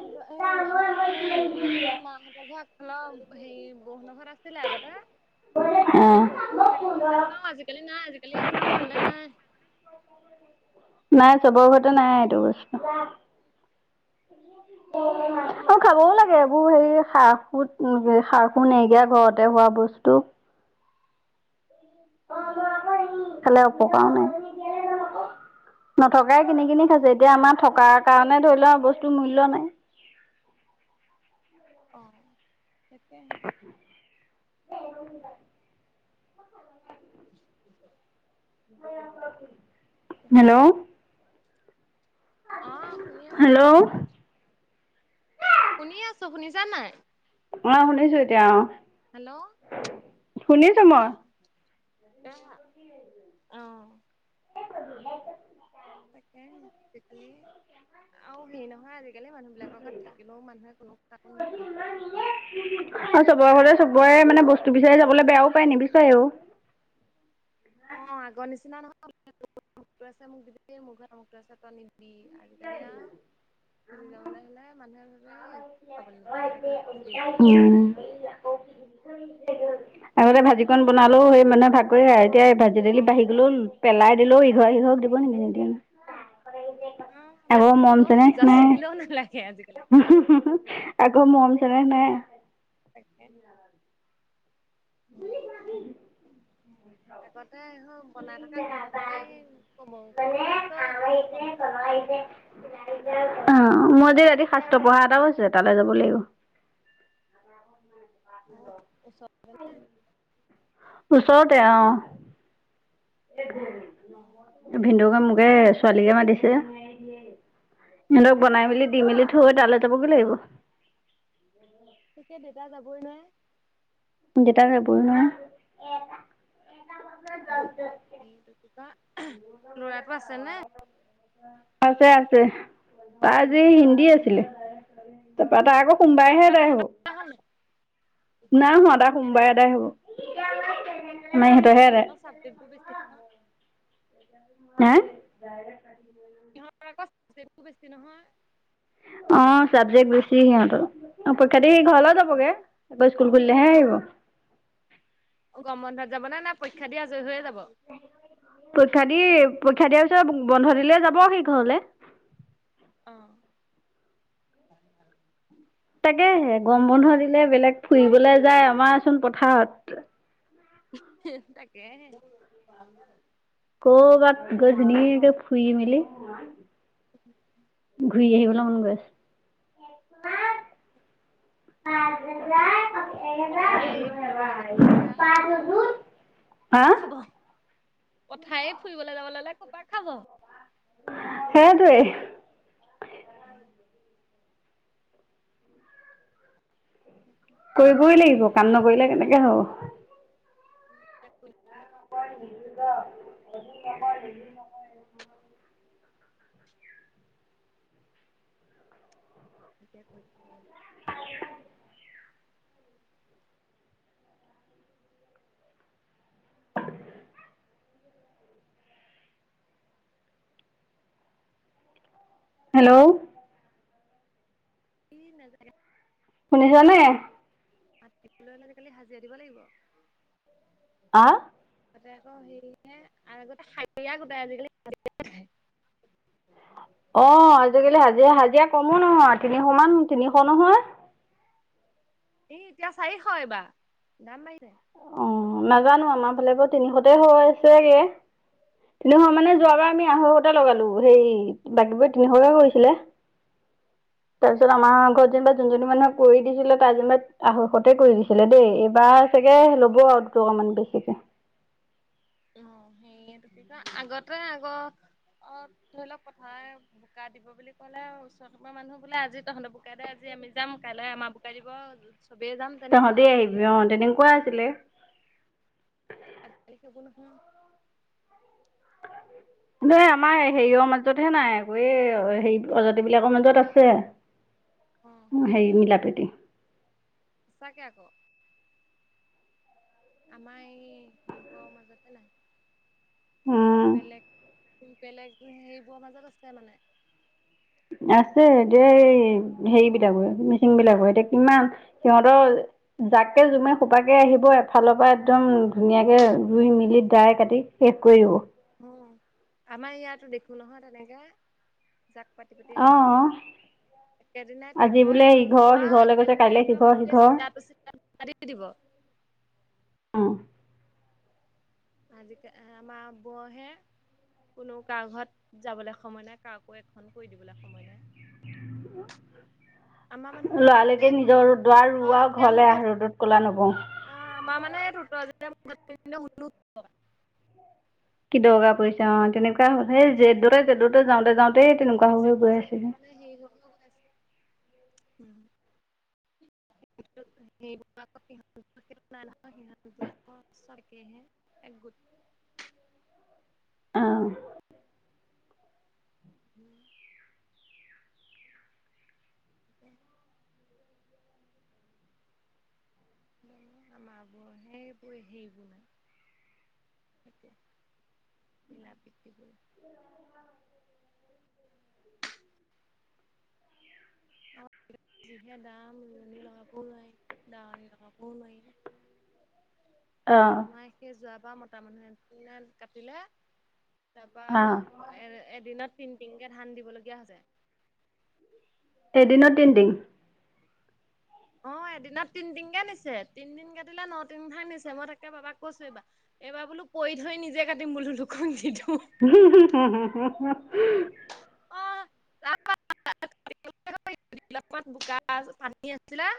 Speaker 2: আৰু এই আমাৰ সেই এইটো কি মা সেতক যে আগফালৰ হেৰি বৌ হেতৰ ঘৰত নাছিলে আগতে।
Speaker 1: অ
Speaker 2: আমি সৰু সৰু হৈ থাকোঁতেই, নেখাওঁ, [unintelligible] আজিকালি নাই আজিকালি সেইবোৰ পাবলে নাই।
Speaker 1: নাই চবৰ ঘৰতে নাই এইটো বস্তু। [unintelligible] আৰু খাবও লাগে এইবোৰ হেৰি সাৰ খু সাৰ খু নিদিয়া ঘৰতে হোৱা বস্তু। [inaudible]
Speaker 2: [unintelligible]
Speaker 1: খালে উপকাৰো নাই। নথকাই কিনি কিনি খাইছে, এতিয়া আমাৰ থকাৰ কাৰণে ধৰি লোৱা বস্তুৰ মূল্য নাই।
Speaker 2: অঁহ তাকে। [inaudible]
Speaker 1: হেল্ল'।
Speaker 2: অ শুনি আছো
Speaker 1: হেল্ল'!
Speaker 2: শুনি আছো শুনিছা নাই?
Speaker 1: অঁ শুনিছো এতিয়া অঁ।
Speaker 2: হেল্ল'!
Speaker 1: মই
Speaker 2: অহ এহা অঁহ।
Speaker 1: [inaudible]
Speaker 2: তাকে আজিকালি আৰু হেৰি নহয় আজিকালি কেলে মানুহ বিলাকৰ গাত থাকিলেও মানুহে কোনো কাকো নিদিয়েও
Speaker 1: আৰু চবৰে ঘতে চবৰে মানে বস্তু বিচাৰি যাবলৈ বেয়াও পায় নিবিচাৰেও।
Speaker 2: অ আগৰ নিচিনা নহয় [unintelligible] মোক দিবি মোৰ ঘৰত [unintelligible] আছে তই নিবি বি আজিকালি আও খুলি যাবলৈ হ'লে মানুহে গ'লে একো খবলে নোপোৱা গতে কিনো খুজিবি সেয়া হে
Speaker 1: উম।
Speaker 2: ভাবে আও
Speaker 1: আগতে ভাজি কন বনালেও সেই মানে ভাগ কৰি এতিয়া এই ভাজি দেলি বাঢ়ি গলও পেলাই দিলেও ইঘৰ সিঘক দিব [inaudible]
Speaker 2: উম
Speaker 1: আগৰ
Speaker 2: যাচি
Speaker 1: মৰম
Speaker 2: দিলেও
Speaker 1: চেনেহ
Speaker 2: যাচি
Speaker 1: নাই
Speaker 2: দিলেও নালাগে আজিকালি।
Speaker 1: আগৰ
Speaker 2: উম
Speaker 1: মৰম চেনেহ নাই।
Speaker 2: তাকে। [unintelligible]
Speaker 1: [inaudible]
Speaker 2: আগতে বনাই থকা গোন্ধ পালেই কব কি বনাইছ দিবি অকমান।
Speaker 1: [unintelligible] অ মই যে ৰাতি শাস্ত্ৰ পঢ়া এটাও আছে তালৈ যাব লাগিব।
Speaker 2: [unintelligible]
Speaker 1: ওচৰতে অঁ। ভিন্দুকা- এ ছোৱালীকে মাতিছে। সিহঁতক বনাই মেলি দি
Speaker 2: দেউতা
Speaker 1: মেলি থৈ
Speaker 2: যাবই নোৱাৰে
Speaker 1: তালে যাবগে লাগিব।
Speaker 2: তেতিয়া দেউতা যাবই ন।
Speaker 1: দেতা জাবই নহয়।
Speaker 2: এইটো কি কয় ল'ৰাটো আছে নে
Speaker 1: [inaudible] আছে আছে তাৰ আজি হিন্দী আছিলে তাৰপা তাই আকৌ সোমবাৰে হে
Speaker 2: পৰীক্ষা
Speaker 1: এদাই হব।
Speaker 2: তেহেঁতৰ
Speaker 1: নাই হোৱা তাৰ সোমবাৰে এদাই হ'ব। আমাৰ ইহঁতৰহে আদায়।
Speaker 2: সিহঁতৰ চাবজেক্টবোৰ বেছি নহয়।
Speaker 1: হেঁ?
Speaker 2: ইহঁতৰ আকৌ চাবজেক্ট একো বেছি নহয়।
Speaker 1: অ চাবজেক্ট বেছি সিহঁতৰ। পৰীক্ষা দি সি ঘৰলৈ যাবগে। ব স্কুল খুলিলেহে আহিব।
Speaker 2: অ গৰম বন্ধত যাব নে না পৰীক্ষা দি আজয়ী হৈয়ে যাব।
Speaker 1: পৰীক্ষা দি। পৰীক্ষা দিয়াৰ পিছত বন্ধ দিলে যাব সি ঘৰলে।
Speaker 2: অহ।
Speaker 1: তাকেহে গৰম বন্ধ দিলে বেলেগ ফুৰিবলৈ যায় আমাৰচোন পথাৰত
Speaker 2: তাকে হে
Speaker 1: ক'ৰবাত গজনি ফুই মিলি। ঘূৰি
Speaker 2: ক'ত
Speaker 1: আহিবলৈ মন
Speaker 2: ফুৰিবলৈ
Speaker 1: গৈ
Speaker 2: যাব পথা পথাৰেই ফুৰিবলৈ যাবলৈ হ'লে আৰু
Speaker 1: [unintelligible] হা।
Speaker 2: কথায় ফুৰিবলৈ যাব ল'লে
Speaker 1: হেতোয়ে।
Speaker 2: উম।
Speaker 1: কৰিবই লাগিব কাম
Speaker 2: খাব
Speaker 1: নকৰিলে কেনেকে হ'ব।
Speaker 2: [inaudible]
Speaker 1: [unintelligible]
Speaker 2: এতিয়া পৰীক্ষা
Speaker 1: হেল্ল'
Speaker 2: কি নজৰ [unintelligible]
Speaker 1: শুনিছ নে।
Speaker 2: মাটি পেলালে আজি কালি হাজিৰা দিব লাগিব।
Speaker 1: আহ
Speaker 2: তাতে আকৌ হেৰি হে আগতে শাৰিয়া গোটাই আজিকালি [unintelligible]
Speaker 1: অ আজিকালি হাজিৰা হাজিৰা কমো নহয় তিনিশ মান তিনিশ নহয়।
Speaker 2: এই এতিয়া চাৰিশ এইবাৰ, দাম বাঢ়িছে
Speaker 1: অ নাজানোঁ আমাৰ ফালে বাৰু তিনিশতে হৈ আছেগে। নহয় মানে যোৱা
Speaker 2: অ',
Speaker 1: বাৰ আমি আহো। লগালোঁ সেই বাকীবোৰে তিনিশকে কৰিছিলে। তাৰপিছত
Speaker 2: অ',
Speaker 1: আমাৰ ঘৰ যেনিবা যোনজনী মানুহক কৰি দিছিলে তাই যেনিবা আঢ়ৈষতে কৰি দিছিলে দেই এইবাৰ চাগে ল'ব আৰু দুটকামান বেছি
Speaker 2: সেয়ি এতো কি কয় আগতে আগ। অ ধৰি লওঁক পথাৰ বোকা দিব বুলি ক'লে ওচৰ পঙৰ মানুহ বোলে আজি তহঁতৰ বোকা দ আজি আমি যাম কাইলৈ আমাৰ বুকা দিব। চবেই যাম তেনেকুৱা
Speaker 1: তহঁতে
Speaker 2: আজিকালি
Speaker 1: আহিবি অ
Speaker 2: আকৌ নহয়।
Speaker 1: তেনেকুৱা আছিলে।
Speaker 2: [unintelligible]
Speaker 1: [unintelligible] ন আমাৰ হেৰিয়ৰ মাজতহে নাই আকৌ এই হেৰি প্ৰজাতি বিলাকৰ মাজত আছে।
Speaker 2: অ',
Speaker 1: উ সেই
Speaker 2: সেইটোৱে।
Speaker 1: নীলাপেটি।
Speaker 2: তাকে আক আমা এই হিম্পুমাজতেই নাই
Speaker 1: উম।
Speaker 2: বেলেগ বেলেগ সেইবোৰৰ মাজত আছে মানে।
Speaker 1: আছে এতিয়া এই হেৰি বিলাকৰ মিচিং বিলাকৰ এতিয়া কিমান সিহঁতৰ। তাককৈ জোমে সোপাকৈ আহিব এফালৰ পৰা একদম ধুনীয়াকৈ ৰুই মেলি ডাই কাটি শেষ কৰি দিব।
Speaker 2: আমাৰ ইয়াতো দেখো নহয় তেনেকে জাক পাতি পাতি আহিব
Speaker 1: অ',
Speaker 2: একেবাৰে। একেদিনাই
Speaker 1: আজি
Speaker 2: ট্ৰেক্টৰে
Speaker 1: বোলে
Speaker 2: হাল বাব
Speaker 1: ইঘৰ
Speaker 2: আৰু
Speaker 1: সিঘৰলৈ গৈছে
Speaker 2: একেদিনাই
Speaker 1: কাইলৈ
Speaker 2: একদম
Speaker 1: সিঘৰ
Speaker 2: গোটেই চিতা চিত দিব।
Speaker 1: অহ।
Speaker 2: আজিকে আমা বহে। কোনো কাৰ ঘৰত যাবলৈ সময় নাই কাকো এখন কৰি দিবলৈ সময় নাই।
Speaker 1: অ।
Speaker 2: আমাৰ মানুহ বিলাকৰ
Speaker 1: লৰা
Speaker 2: মানে
Speaker 1: লকে
Speaker 2: সেইটো
Speaker 1: নিজৰ দাৰ
Speaker 2: তই
Speaker 1: ৰুা
Speaker 2: যেতিয়া মোৰ
Speaker 1: ঘৰলে
Speaker 2: ঘৰত
Speaker 1: আহ ৰ'দত কলা নব।
Speaker 2: আন্
Speaker 1: কি দৰকাৰ পৰিইচা অ তেনেকুৱা হ'ল সেই যদৰেদৰ যাওঁতে যাওঁতে।
Speaker 2: জ মানে হে হৈও গৈছে। সেই। চাৰকে এক গুট।
Speaker 1: অ অ।
Speaker 2: উম। উে আমাৰ ব সেইবোৰ সেইবোৰ নাই। সয়া মিলা পিতিব। যিহে দাম ৰোৱনী লগাব নোৱাৰি দাৱনী লগাবও নোৱাৰি?
Speaker 1: অঁ
Speaker 2: আমাৰ সেই যোৱাবাৰ মতা মানুহে কাটিলে। তাৰপা
Speaker 1: অ
Speaker 2: এ এদিনত তিন তিনকে ধান দিবলগীয়া হৈছে।
Speaker 1: এদিনত তিনদিন
Speaker 2: উ অ এদিনত তিনদিনকে নিছে তিনদিনকে দিলে ন তিন কে নিছে মই তাকে বাবাক কৈছো এইবাৰ। এবাৰ বোলো পৰি ধৰি নিজে কাটিম বোলো দুখন দিটো।
Speaker 1: উ হু হু হুু।
Speaker 2: আহমান বোকা পানী আছিলাঁ?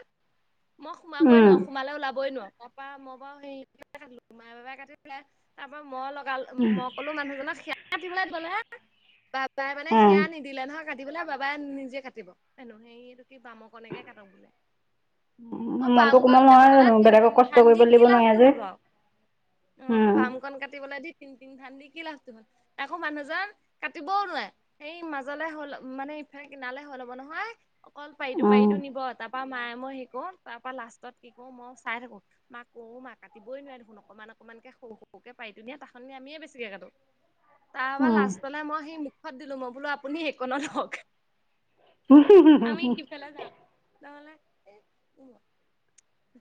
Speaker 2: মই সোমাবই
Speaker 1: উম
Speaker 2: নোৱাৰো সোমালে ওলাবই নোৱাৰো? তাৰ পৰা মই বাৰু স কিলো মাই বাপাই কাটি পেলাই তাৰ পৰা মই অল। মই কলো মানুহজনক সেৱ দিবলৈ গলে হা বাবাই মানে
Speaker 1: উম
Speaker 2: সেয়া নিদিলে নহয়। কাটিবেললে বাবাই নিজে কাটিব হনো সেইটো কি বাম কণকে কাটক বোলে। অ
Speaker 1: উ
Speaker 2: বাম
Speaker 1: মনতটো
Speaker 2: কণ
Speaker 1: কোমল
Speaker 2: কাটি
Speaker 1: নহয়
Speaker 2: পেলাই
Speaker 1: জানো
Speaker 2: টিং
Speaker 1: বেলেগক
Speaker 2: টিং ধান
Speaker 1: কষ্ট
Speaker 2: দি
Speaker 1: কৰিব
Speaker 2: কি
Speaker 1: দিব নোৱাৰি আ
Speaker 2: লাভটো
Speaker 1: যে।
Speaker 2: হ'ল বাৰু অ
Speaker 1: উম
Speaker 2: বাম কন কাটিবলৈ দি তিন তিনি ধান দি। কি লাভটো একো মানুহজন কাটিবও নোৱাৰে। সেই মাজলে হ'ল মানে ইফালে কিনালে হৈ লব নহয়। অকল পাৰিতো
Speaker 1: উম
Speaker 2: পাৰিতো নিব তাৰাপা মায়ে মই শেকো ত। তাৰপা লাষ্টত কি কো মই চাই থাকো মাক কোও মাক কাটিবই নোৱাৰাৰে দেখোন অকনমান অকনমান কেে সৰু সৰুকে পাই দি। ধুনীয়া ত খ আমিয়ে বেছিকৈ কটো। তাৰপৰা
Speaker 1: উম
Speaker 2: লাষ্ট পালে মই সেই মুখত দিলো মই বোলো আপুনি সেইকত হওক। আমি সেইফালে জাম।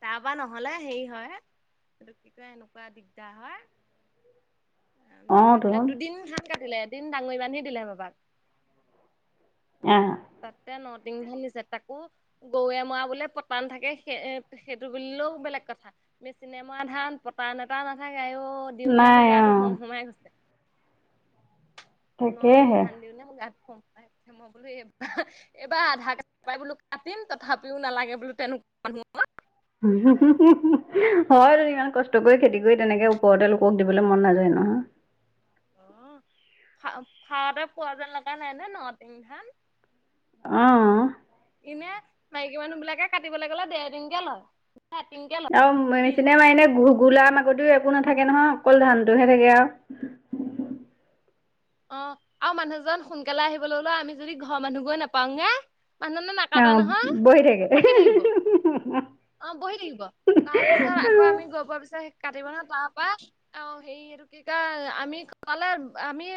Speaker 2: তাৰ পা নহলে হেৰি হয় এইটো কি কয় এনেকুৱা দিগদাৰ হয়।
Speaker 1: উ
Speaker 2: ম যি কাটিলে দুদিন হাত কাটিলে এদিন ডাঙৰি মানহি দিলে মাবাক।
Speaker 1: আহ
Speaker 2: তাতে ন। টিং ধিছে তাকো গৰুৱে মৰা বোলে পতান থাকে স সেইটো বুলিলেও বেলেগ কথা। চিনেমা ধান পতা নতাও নাথাকে আৰুও দিওঁ নে
Speaker 1: নাই
Speaker 2: মোৰ গা
Speaker 1: অ
Speaker 2: খোং সোমাই গৈছে? ন তিন
Speaker 1: তাকেহে
Speaker 2: ধান দি নে ম গাত।
Speaker 1: [unintelligible]
Speaker 2: মই বোলো এইব এইবাৰ আধাৰ কাৰডাই বোলো কাটিম তথাপিও নালাগে বোলো তেনেকুৱা মানুহ।
Speaker 1: হয় ইমান কষ্ট কৰি খেতি কৰি তেনেকে ওপৰতে লোকক দিবলৈ মন নাযায় নহয়। হয়
Speaker 2: অ খা খাওঁতে পোৱা যেন লগা নাই ন ন তিনং ধান।
Speaker 1: অ।
Speaker 2: এনে মাইকী মানুহ বিলাকে কাটিবলৈ গ'লে দেৰ দিনকে লয়। বা এটিংকে লয় দিনটোত
Speaker 1: [inaudible] আগতেও একো নাথাকে নহয় অকল ধানটোহে থাকে আৰু।
Speaker 2: অ আৰু মানুহজন সোনকালে আহিবলৈ ললেও আমি যদি ঘৰৰ মানুহ গৈ নাপাওগে
Speaker 1: অ বহি থাকে [unintelligible]
Speaker 2: থাকিব অ বহি থাকিব, তাৰ পিছত আকৌ আমি গ পোৱাৰ পিছত [unintelligible] কাটিব ন তাৰপা অ হেৰি এইটো কি কয় আমি কালে আমি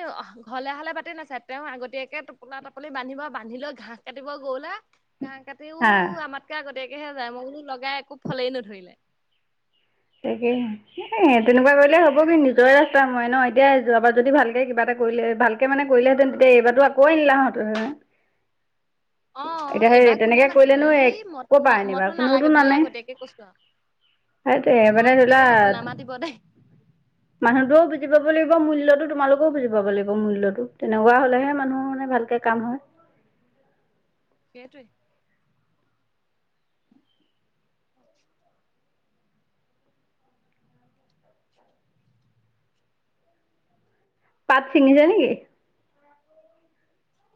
Speaker 2: ঘৰলে হলে পাতি নাচাই তেওঁ আগতীয়াকে টোপলা টোপনি বান্ধিব বান্ধি লৈ ঘাঁহ কাটিব গৰুলে [unintelligible] আৰু ঘাঁহ কাটিও
Speaker 1: হা
Speaker 2: আমাতকে আগতে হে যায় মই বোলো লগাই একো ফলেই নধৰিলে।
Speaker 1: তাকে এ তেনেকুৱা কৰিলে হ'ব কি নিজৰে ৰাস্তা ময় ন। এতিয়া যোৱাবাৰ যদি ভালকে কিবা এটা কৰিলে ভালকে মানে কৰিলেহেঁতেন তেতিয়া এইবাৰো আকৌ আহিলেহেঁতেন।
Speaker 2: অ এইবাৰ কোনে মাতিব ই [unintelligible]
Speaker 1: ক'ৰ পৰা আনিবা
Speaker 2: মইতো নালাগে বুলিয়ে আগতীয়াকে কৈছো আৰু
Speaker 1: হেইটোৱে
Speaker 2: মই
Speaker 1: মানে
Speaker 2: আগতীয়াকে
Speaker 1: ধৰিলোৱা
Speaker 2: কৈছো নামাতিব দেই
Speaker 1: মানুহটোও বিুজি পাব লাগিব। মূল্যতো তোমালোকেও বুজি পাব লাগিব মূল্যতটো, তেনেকুৱা হলেহে মানুহৰ মানে ভালকে কাম হয়। অ
Speaker 2: সেইটোহে [unintelligible]
Speaker 1: পাত চিঙিছে নেকি?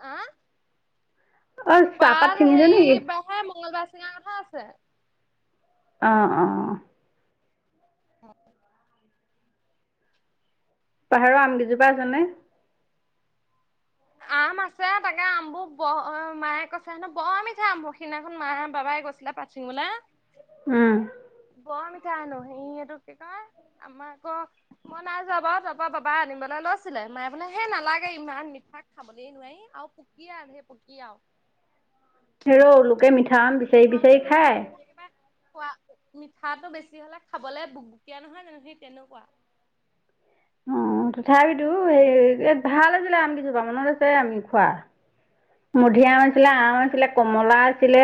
Speaker 2: আহ
Speaker 1: অ চাহপাত
Speaker 2: পাৰ
Speaker 1: ছিঙিছে নেকি
Speaker 2: সেৰি মঙ্গলবাৰ চিঙা কথা আছে।
Speaker 1: অ অ
Speaker 2: হয়
Speaker 1: পাহাৰৰ আম গিযোপা আছে নে? [inaudible]
Speaker 2: আম আছে তাকে আমবোৰ মায়ে কৈছে হেনো বৰ মিঠা। সিদিনাখন মায়ে বাবাই কৈছিলে পাছদিনা চি মলা [unintelligible]
Speaker 1: উম
Speaker 2: বৰ মিঠা সেনো, সেই এইটো কি কয় আমাৰ আকৌ মই নাই যোৱা বাৰু তাৰপৰা বাবা আনিবলৈ [unintelligible] লৈছিলে মায়ে বোলে হেই নালাগে ইমান মিঠা খাবলৈ নোৱাৰি আৰু পোকীয়া সে পোকীয়া ও
Speaker 1: হেৰৌ লোকে মিঠা আম বিচাৰি বিচাৰি
Speaker 2: মিঠা
Speaker 1: খায়
Speaker 2: মিঠা একেবাৰে খোৱা মিঠাটো বেছি হলে খাবলে বু বুকীয়া নহয় জনো জি তেনেকুৱা। [unintelligible]
Speaker 1: অ তথাপিতো সেই ভাল আছিলে আম কেইজোপা মনত আছে আমি খোৱা।
Speaker 2: উম
Speaker 1: মুধিআম আছিলে, আম
Speaker 2: সেই
Speaker 1: আছিলে, কমলা আছিলে।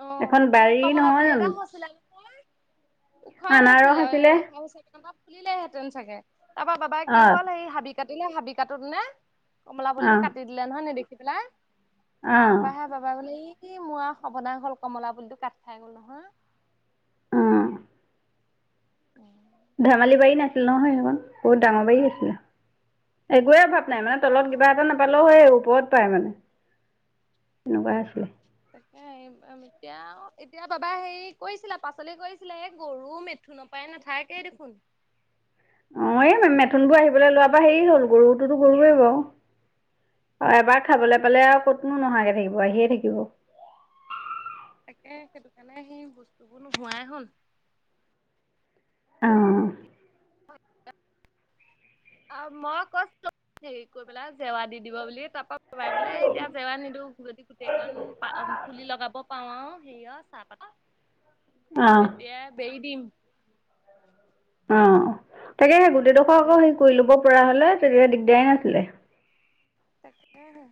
Speaker 2: অ
Speaker 1: এখন
Speaker 2: এই
Speaker 1: বাৰী নহয়
Speaker 2: কমলাপুলি এটা
Speaker 1: জানো
Speaker 2: হৈছিলে ন ওখই হৈছিলে
Speaker 1: আনাৰস আছিলে
Speaker 2: আৰু [unintelligible] খুলিলেহেঁতেন চাগে, তাৰ পৰা বাবাই কি
Speaker 1: অ
Speaker 2: হল সেই হাবি কাটিলে হাবি কাটোত নে কমলা
Speaker 1: অ
Speaker 2: পুলিটো কাটি দিলে নহয় নেদেখি পেলাই,
Speaker 1: অ
Speaker 2: তাৰ পৰা হে বাবা বোলে ই মোৰ আৰু বনা হ'ল, কমলা পুলিটো কাট খাই গ'ল নহয়।
Speaker 1: অ ধেমালি বাৰী নাছিল নহয়
Speaker 2: তাকে
Speaker 1: সেইখন বহুত ডাঙৰ বাৰী আছিলে। একোৱে অভাৱ নাই মানে তলত
Speaker 2: অ
Speaker 1: কিবা এটা নাপালেও হয় ওপৰত পায় মানে সেনেকুৱা আছিলে।
Speaker 2: তাকে এতিয়াও এতিয়া বাবাই হে কৰিছিলা পাচলি কৰিছিলে এই গৰু মেঠ শুনো পায় নাথাকেই দেখোন [unintelligible]
Speaker 1: [inaudible] অ এই মেথোনবোৰ আহিবলৈ লোৱাৰ বা হেৰি হ'ল গৰুটোতো গৰুৱেই বাৰু অ এবাৰ খাবলৈ পালে আৰু কতনো নোহাকে থাকিব আহিয়ে থাকিব
Speaker 2: তাকে সেইটো কাৰণে সেই বস্তুবোৰ নোহোৱাই হল
Speaker 1: আহ
Speaker 2: অ মই কৈছোঁ হেৰি কৰি পেলাই জেৱা দি দিব বুলি তাৰ পৰা পাপাই বোলে এতিয়া জেৱা নিদো যদি গোটেইক প [unintelligible] ফুলি লগাব পাৰু আওঁ সেৰিয় চাহপাতত
Speaker 1: অ
Speaker 2: [unintelligible] তেতিয়া বেই দিম।
Speaker 1: অ'। তাকে সেই গোটেইডোখৰ আকৌ
Speaker 2: তেনেকে
Speaker 1: সেই কৰি
Speaker 2: ক'লে
Speaker 1: ল'ব পৰা হলে, তেতিয়া দিগদাৰে নাছিলে।
Speaker 2: তাকেহে।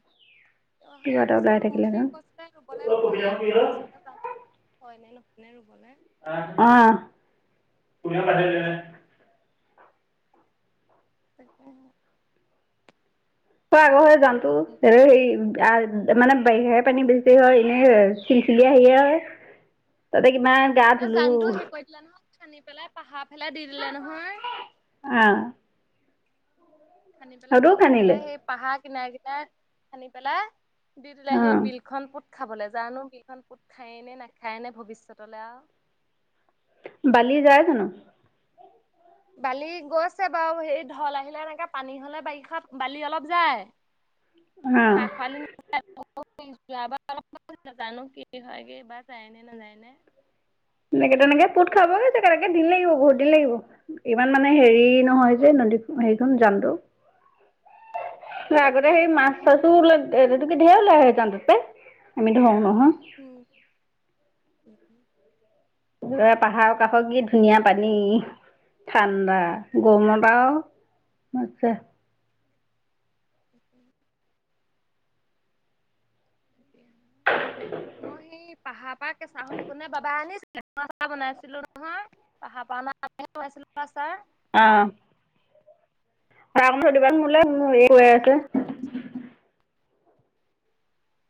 Speaker 2: অ'
Speaker 1: কিবা
Speaker 2: এই
Speaker 1: এটা
Speaker 2: বছৰ
Speaker 1: ওলাই
Speaker 2: ৰুম বুলি
Speaker 1: থাকিলেহেঁতেন
Speaker 2: কৈছে। ৰুবলে
Speaker 1: অহ
Speaker 2: নহলে অহা বছৰহে পায়। হয় নে নহ
Speaker 1: অ'।
Speaker 2: তাকেহে।
Speaker 1: তাৰ আগৰ সেই
Speaker 2: এতিয়া আকৌ
Speaker 1: গানটো, [unintelligible] হেৰি গাৰ তাত মানে বাৰিষা পানী বেছি হয়। এনেই অ'- চিলচিলিয়া সেইয়া। তাতে কিমান গা ধুলোঁ।
Speaker 2: আানি পেলাই পাহাৰফালে দি দিলে নহয়।
Speaker 1: অ
Speaker 2: খান্দি পেলাই
Speaker 1: সেইটোও খান্দিলে
Speaker 2: পাহাৰফালে, সেই পাহাৰ কিনাৰ - কিনাৰ খান্দি পেলাই দি দিলে সেই
Speaker 1: অ
Speaker 2: বিলখন পোত খাবলৈ। জানো? সেইখন পোত খায়েই নে নাখায় নে ভৱিষ্যতলৈ আৰু।
Speaker 1: বালি যায় জানো?
Speaker 2: বালি গৈছে বাৰু। সেই ঢল আহিলে এনেকে পানী হ'লে বাৰিষা বালি অলপ যায়। খা খৰালি
Speaker 1: অ'।
Speaker 2: [unintelligible] যোৱাবাৰ অলপমান নাজানো কি হয়গে এইবাৰ যায়নে নাযায়নে।
Speaker 1: এনেকে তেনেকে পোত খাবই তেনেকে দিন লাগিব বহুত, দিন লাগিব। ইমান মানে হেৰি নহয় যে নদী- হেৰিখন জানটো। আগতে সেই
Speaker 2: তাকেহে
Speaker 1: মাছ-চাছোবিলাক ঢে- এটো কি, ঢেৰ ওলাই আহে জানটোৰ পৰাই। আমি ধৰোঁ নহয়।
Speaker 2: উম [inaudible]
Speaker 1: এ পাহাৰৰ কাষৰ কি ধুনীয়া পানী। ঠাণ্ডা, গৰমত আও মজ্জা।
Speaker 2: [unintelligible] মই সেই পাহাৰ পৰা কেঁচা হৈ থাকোঁ নে বাবা আনি [unintelligible] আচাৰ বনাইছিলোঁ নহয়। পাহাৰৰ পৰা অনা আম খুৱাইছিলোঁ আচাৰ।
Speaker 1: অ'। ভৰাই অকণ থৈ দিবা মোলৈ। মোৰ শেষ হৈ আছে।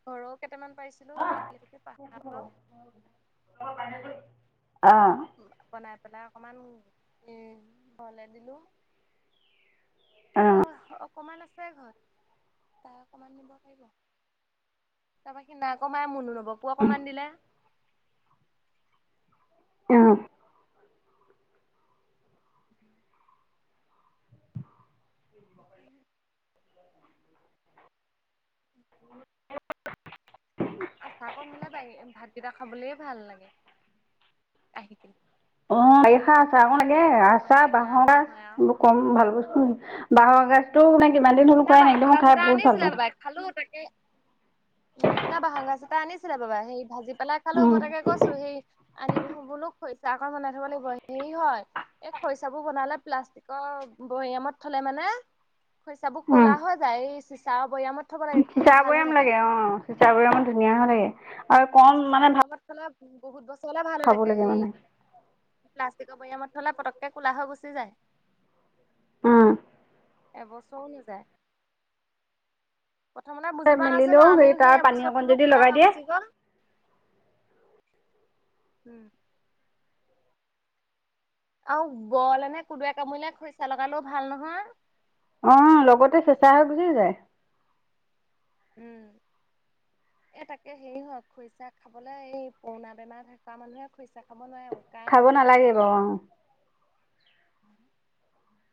Speaker 2: ঘৰৰ কেইটামান পাৰিছিলোঁ। সেইটোকে [unintelligible]
Speaker 1: অ'।
Speaker 2: বনাই পেলাই অকমান ঘৰলে দিলোঁ।
Speaker 1: অ
Speaker 2: তপা অকমান আছে ঘৰত। তাৰ অকমান নিব পাৰিব। তাৰপা সি নাকমাই মনো লব। কো অকমান দিলে।
Speaker 1: অ'।
Speaker 2: [inaudible] আচাৰ কম হ'লে বা- ভাতকেইটা খাবলৈ ভাল নালাগে। আহি কিনে
Speaker 1: অ' বাৰিষাত আচাৰ অকন লাগে।
Speaker 2: গৰমত
Speaker 1: আচাৰ,
Speaker 2: টেঙা
Speaker 1: বাঁহৰ
Speaker 2: অকমান
Speaker 1: গাজ।
Speaker 2: হয় আৰু
Speaker 1: এইবোৰ কম ভাল বস্তু- বাঁহৰ গাজ গাজটো মানে কিমান দিন হ'ল
Speaker 2: সিদিনা
Speaker 1: খোৱাই নাই কিন্তু
Speaker 2: বাঁহৰ
Speaker 1: মই
Speaker 2: গাজ
Speaker 1: খাই
Speaker 2: এটা
Speaker 1: বহুত ভাল
Speaker 2: আনিছিলে
Speaker 1: পাওঁ
Speaker 2: বাবাই। খালোঁ তাকে উম, সিদিনা বাঁহৰ গাজ এটা আনিছিলে বাবাই। সেই ভাজি পেলাই খালোঁ।
Speaker 1: উম
Speaker 2: মই তাকে কৈছোঁ সেই আনিব বোলো খৰিছা অকণ বনাই থব লাগিব। হেৰি হয়, এই খৰিছাবোৰ বনালে, প্লাষ্টিকৰ বৈয়ামত থলে মানে খৰিচাবোৰ ক'লা হৈ যায়। এই ছিছাৰ বৈয়ামত থ'ব লাগে তেতিয়া
Speaker 1: ছিছাৰ
Speaker 2: ভাল হৈ
Speaker 1: বৈয়াম
Speaker 2: থাকে।
Speaker 1: লাগে, অ'। ছিছাৰ বৈয়ামত ধুনীয়া হয় থাকে। আৰু কম
Speaker 2: চিচাৰ
Speaker 1: মানে ভা
Speaker 2: বৈয়ামত থ'লে বহুত বছৰ হলে ভাল থাকে হেৰি প্লা ষ্টিকৰ ভৈয়ামত থলে, পটককে ক'লা হৈ গুচি যায়।
Speaker 1: অ'।
Speaker 2: এবছৰো নাযায়। প্ৰথমতে বুজি পোৱা
Speaker 1: মেলিলেও
Speaker 2: নাছিলোঁ। আমিও
Speaker 1: তাৰ
Speaker 2: সেই
Speaker 1: পানী
Speaker 2: বছৰটো
Speaker 1: অকণ
Speaker 2: বোলো
Speaker 1: যদি লগাই
Speaker 2: ক'লা হৈ
Speaker 1: দিয়ে
Speaker 2: গুচি গ'ল। উম। আৰু বলনে নে কুদোৱে কামৰিলে খৰিচা লগালেও ভাল নহয়।
Speaker 1: অহ লগতে চেচা হৈ গুচি যায়।
Speaker 2: উম। এ তাকে হেৰি হয় খৰিচা খাবলে এই পুৰণা বেমাৰ থকা মানুহে খৰিচা খাব নোৱাৰে
Speaker 1: খাব নালাগিব অ।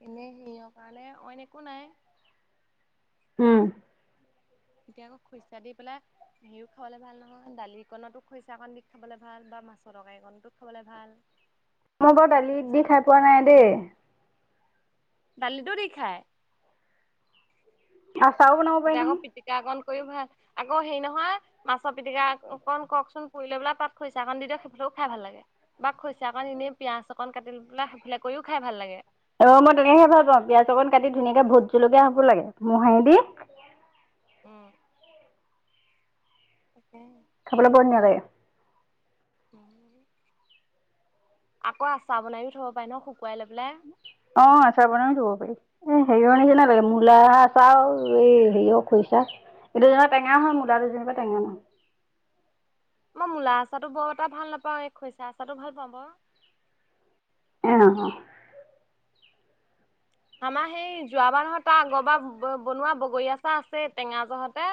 Speaker 2: এনে সিৰ কাৰণে অইন একো নাই
Speaker 1: উম।
Speaker 2: এতিয়া আকৌ খৰিচা দি পেলাই হিও খাবলে ভাল নহয় দালিকনতো খৰিচা অকণ দি খাবলৈ ভাল বা মাছৰ তৰকাই কনটোক খাবলৈ ভাল।
Speaker 1: মই বাৰু দালিত দি খাই পোৱা নাই দেই।
Speaker 2: দালিটো দি খায়।
Speaker 1: আচাও বনাব পাৰি নহয়।
Speaker 2: কৰি ভাল আক হেৰি নহয় মাছৰ পিটিকা অকন কওকচোন পুৰিলৈ পেলাই তাত খৰিইছা কাৰণ দি সেইফাল। খাই ভাল লাগে। বা খৰিচা অকন এনেই পিয়াজ অকণ কাটি পেলায় তেনেকে কৰিও খাই ভাল লাগে।
Speaker 1: অ মই তেনেকহে ভাল পাওঁ পিয়য়াজ অকণ কাটি ধুনীয়াকে ভোট জলকীয়া হ'বোৰ লাগে মোহাৰি দি [inaudible]
Speaker 2: উম। তাকে।
Speaker 1: খবলে বৰ ধুনীয়া লাগে।
Speaker 2: আকৌ আচাৰ বনাইও থব পাৰে ন।
Speaker 1: অ আচাৰ বনামি দব পাৰি এ [unintelligible] মূলা। চাও এই হেৰিয়ও খৰিছা এইটো যেনিবা টেঙা হয় মূলাটো যেনিবা টেঙা নহ।
Speaker 2: মই মূলা আচাটো বৰ এটা ভাল নাপাওঁ খৰিচা আচাটো ভাল পাওঁ বাও।
Speaker 1: অ।
Speaker 2: আমাৰ সেই যোৱাবাৰ নহয় তাৰ আগৰ বা বনোৱা বগৰীয়া চাহ আছে টেঙা জহতে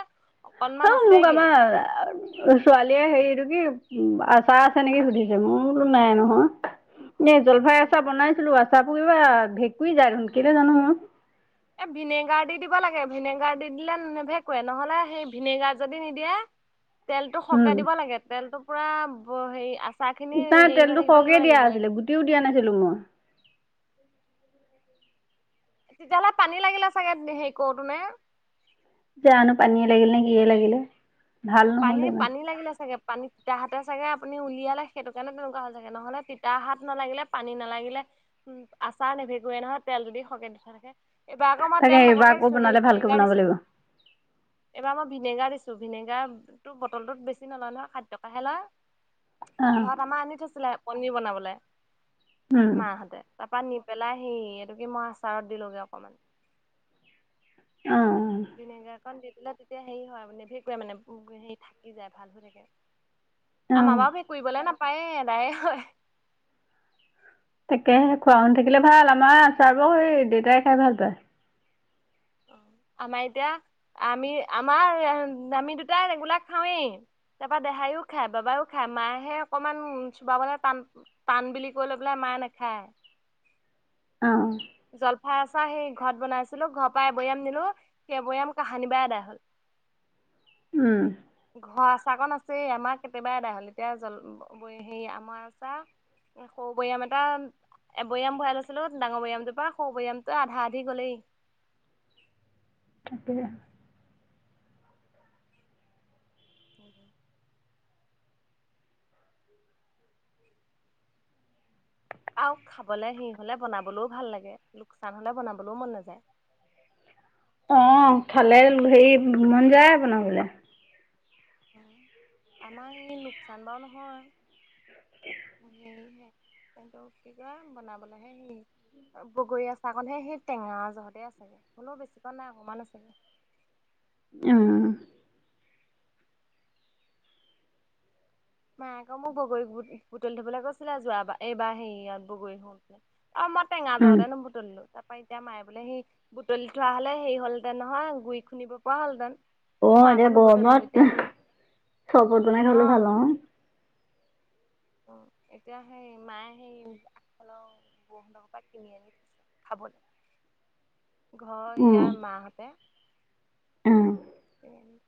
Speaker 1: অ
Speaker 2: অকনমান
Speaker 1: মু
Speaker 2: আছেগে
Speaker 1: গামা ছোৱালীয়ে হেৰিটো কি আচাৰ আছে নেকি সুধিছে মোৰতো নাই নহয়। এই জলফাই আচাৰ বনাইছিলো আচাৰোৰ কিবা ভেঁকুী যায় দেখোন কেলে জানো মোৰ।
Speaker 2: এ ভিনেগাৰ দি দিব লাগে ভিনেগাৰ দি দিলে নেভেকুৱে। নহলে সেই ভিনেগাৰ যদি নিদিয়ে
Speaker 1: [unintelligible]
Speaker 2: তেলতটো সকে
Speaker 1: উম।
Speaker 2: দিব লাগে তেলতটো পুৰা হেৰি আ
Speaker 1: নাই তেলতটো সৰহকে দিয়া আছিলে গুটিও দিয়া নাছিলো মই।
Speaker 2: তেতিয়াহ'লে পানী লাগিলে চাগে হেৰি কৰোতেনে?
Speaker 1: জানো পানীয়ে লাগিল নে কিয়ে লাগিলে।
Speaker 2: অ
Speaker 1: ভাল নহ'ল
Speaker 2: পানী
Speaker 1: ইমান
Speaker 2: পানী লাগিলে চাগে। পানী তিতা হাতে চাগে আপুনি উলিয়ালে সেইটো কাৰণে তেনেকুৱা হ'ল ছাগে। নহ'লে তিতা হাত নালাগিলে পানী নালাগিলে উ আচাৰ নেভেকুয়ে নহয় তেল যদি সৰকে দি থোৱা থাকে। এইবাৰ আকৌ মই
Speaker 1: তাকে
Speaker 2: তেল
Speaker 1: এইবাৰ
Speaker 2: তাককে
Speaker 1: আকৌ
Speaker 2: দিছো সেই
Speaker 1: বনালে ভালকে
Speaker 2: ভিনেগাৰ
Speaker 1: বনাব
Speaker 2: দিছো
Speaker 1: লাগিব।
Speaker 2: এইবাৰ মই ভিনেগাৰ দিছো ভিনেগাৰ। া তো বটল টোত বেছি নলয় নহয় সাত টকাহে লয়
Speaker 1: অ'।
Speaker 2: ঘৰত আমাৰ আনি থৈছিলে। পনিৰ বনাবলৈ
Speaker 1: উম,
Speaker 2: মাহতে তাৰপা নি। পেলাই সেই এইটোকে মই আচাৰত দিলোগে অকমান।
Speaker 1: অ',
Speaker 2: ভিনেগাৰ ক দি পেলাই তেতিয়া হেৰি হয় মানে নেৱেকুৱে মানে হেৰি থাকি যায় ভাল হৈ থাকে।
Speaker 1: অ', অ',
Speaker 2: আমাবা সেই ভেকুৰিবলে নাপায়ে এদায়ে হয়।
Speaker 1: তাকেহে খোৱা শুন থাকিলে ভাল আমাৰ চাৰ ব স দেউতাই খাই ভাল পায়।
Speaker 2: অ
Speaker 1: [inaudible]
Speaker 2: আমাৰ এতিয়া আমি আমাৰ আমি দুটাই এই ৰেগোলাক খাওৱেই। তাৰপৰা দেহাইও খায় বাবাইও খায় মাহে অকণমান উ চোপাবলে টান টান বুলি কৈ লৈ বোলে ম। [unintelligible] নেখায়।
Speaker 1: অ।
Speaker 2: জলফাই আচাৰ সেই ঘৰত বনাইছিলো ঘৰৰ পৰা এবৈয়াম নিলো সেইবৈয়াম কাহানী বা এদাই হল।
Speaker 1: [unintelligible]
Speaker 2: ঘৰৰ আচাকন আছে আমাৰ কেতিয়াবা এদাই হল এতিয়া জল হেৰি আমাৰ আচা সৰু বৈয়াম এটা এবৈয়াম ভৰাই লৈছিলো ডাঙৰ বৈয়ামটোৰ পৰা সৰু বৈয়ামটো আধা আধি গলেই
Speaker 1: তাকে
Speaker 2: উ [inaudible] আহ খাবলে সি হলে বনাবলৈও ভাল লাগে লোকচান হলে বনাবলৈও মন নাযায়
Speaker 1: [unintelligible] অ খালে হেৰি মন যায় বনাবলৈ।
Speaker 2: আমাৰ এই লোকচান বাও নহয়। সেয়হে কিন্তু কিবা বনাবলৈহে সেই বগৰী আচাৰকনহে সেই টেঙা জহতে আছেগে হোলেও বেছিকণ নাই অকণমান আছেগে
Speaker 1: উম
Speaker 2: মায়ে আকৌ মোক বগৰী বুটলি থবলৈ কৈছিলে যোৱা এইবাৰ হেৰিয়ত বগৰী হৈ। অ মই টেঙা
Speaker 1: উম,
Speaker 2: জহতে নোবতলিলো ত এতিয়া মায়ে বোলে সেই বুটলি থোৱা হলে হে হ'লহেতেন নহয় গুৰি খুন্দিব পৰা হলহঁতেন।
Speaker 1: অ এতিয়া গৰমত চৰবত বনাই খাবলে ভাল অ
Speaker 2: অ এতিয়া সেই মায়ে সেই আগফালৰ বৌ হেঁতৰ পৰা কিনি আনি থৈছে। খাবলৈ।
Speaker 1: [unintelligible]
Speaker 2: ঘৰ
Speaker 1: উম,
Speaker 2: ইয়াৰ মাহঁতে
Speaker 1: উম,
Speaker 2: উম [unintelligible]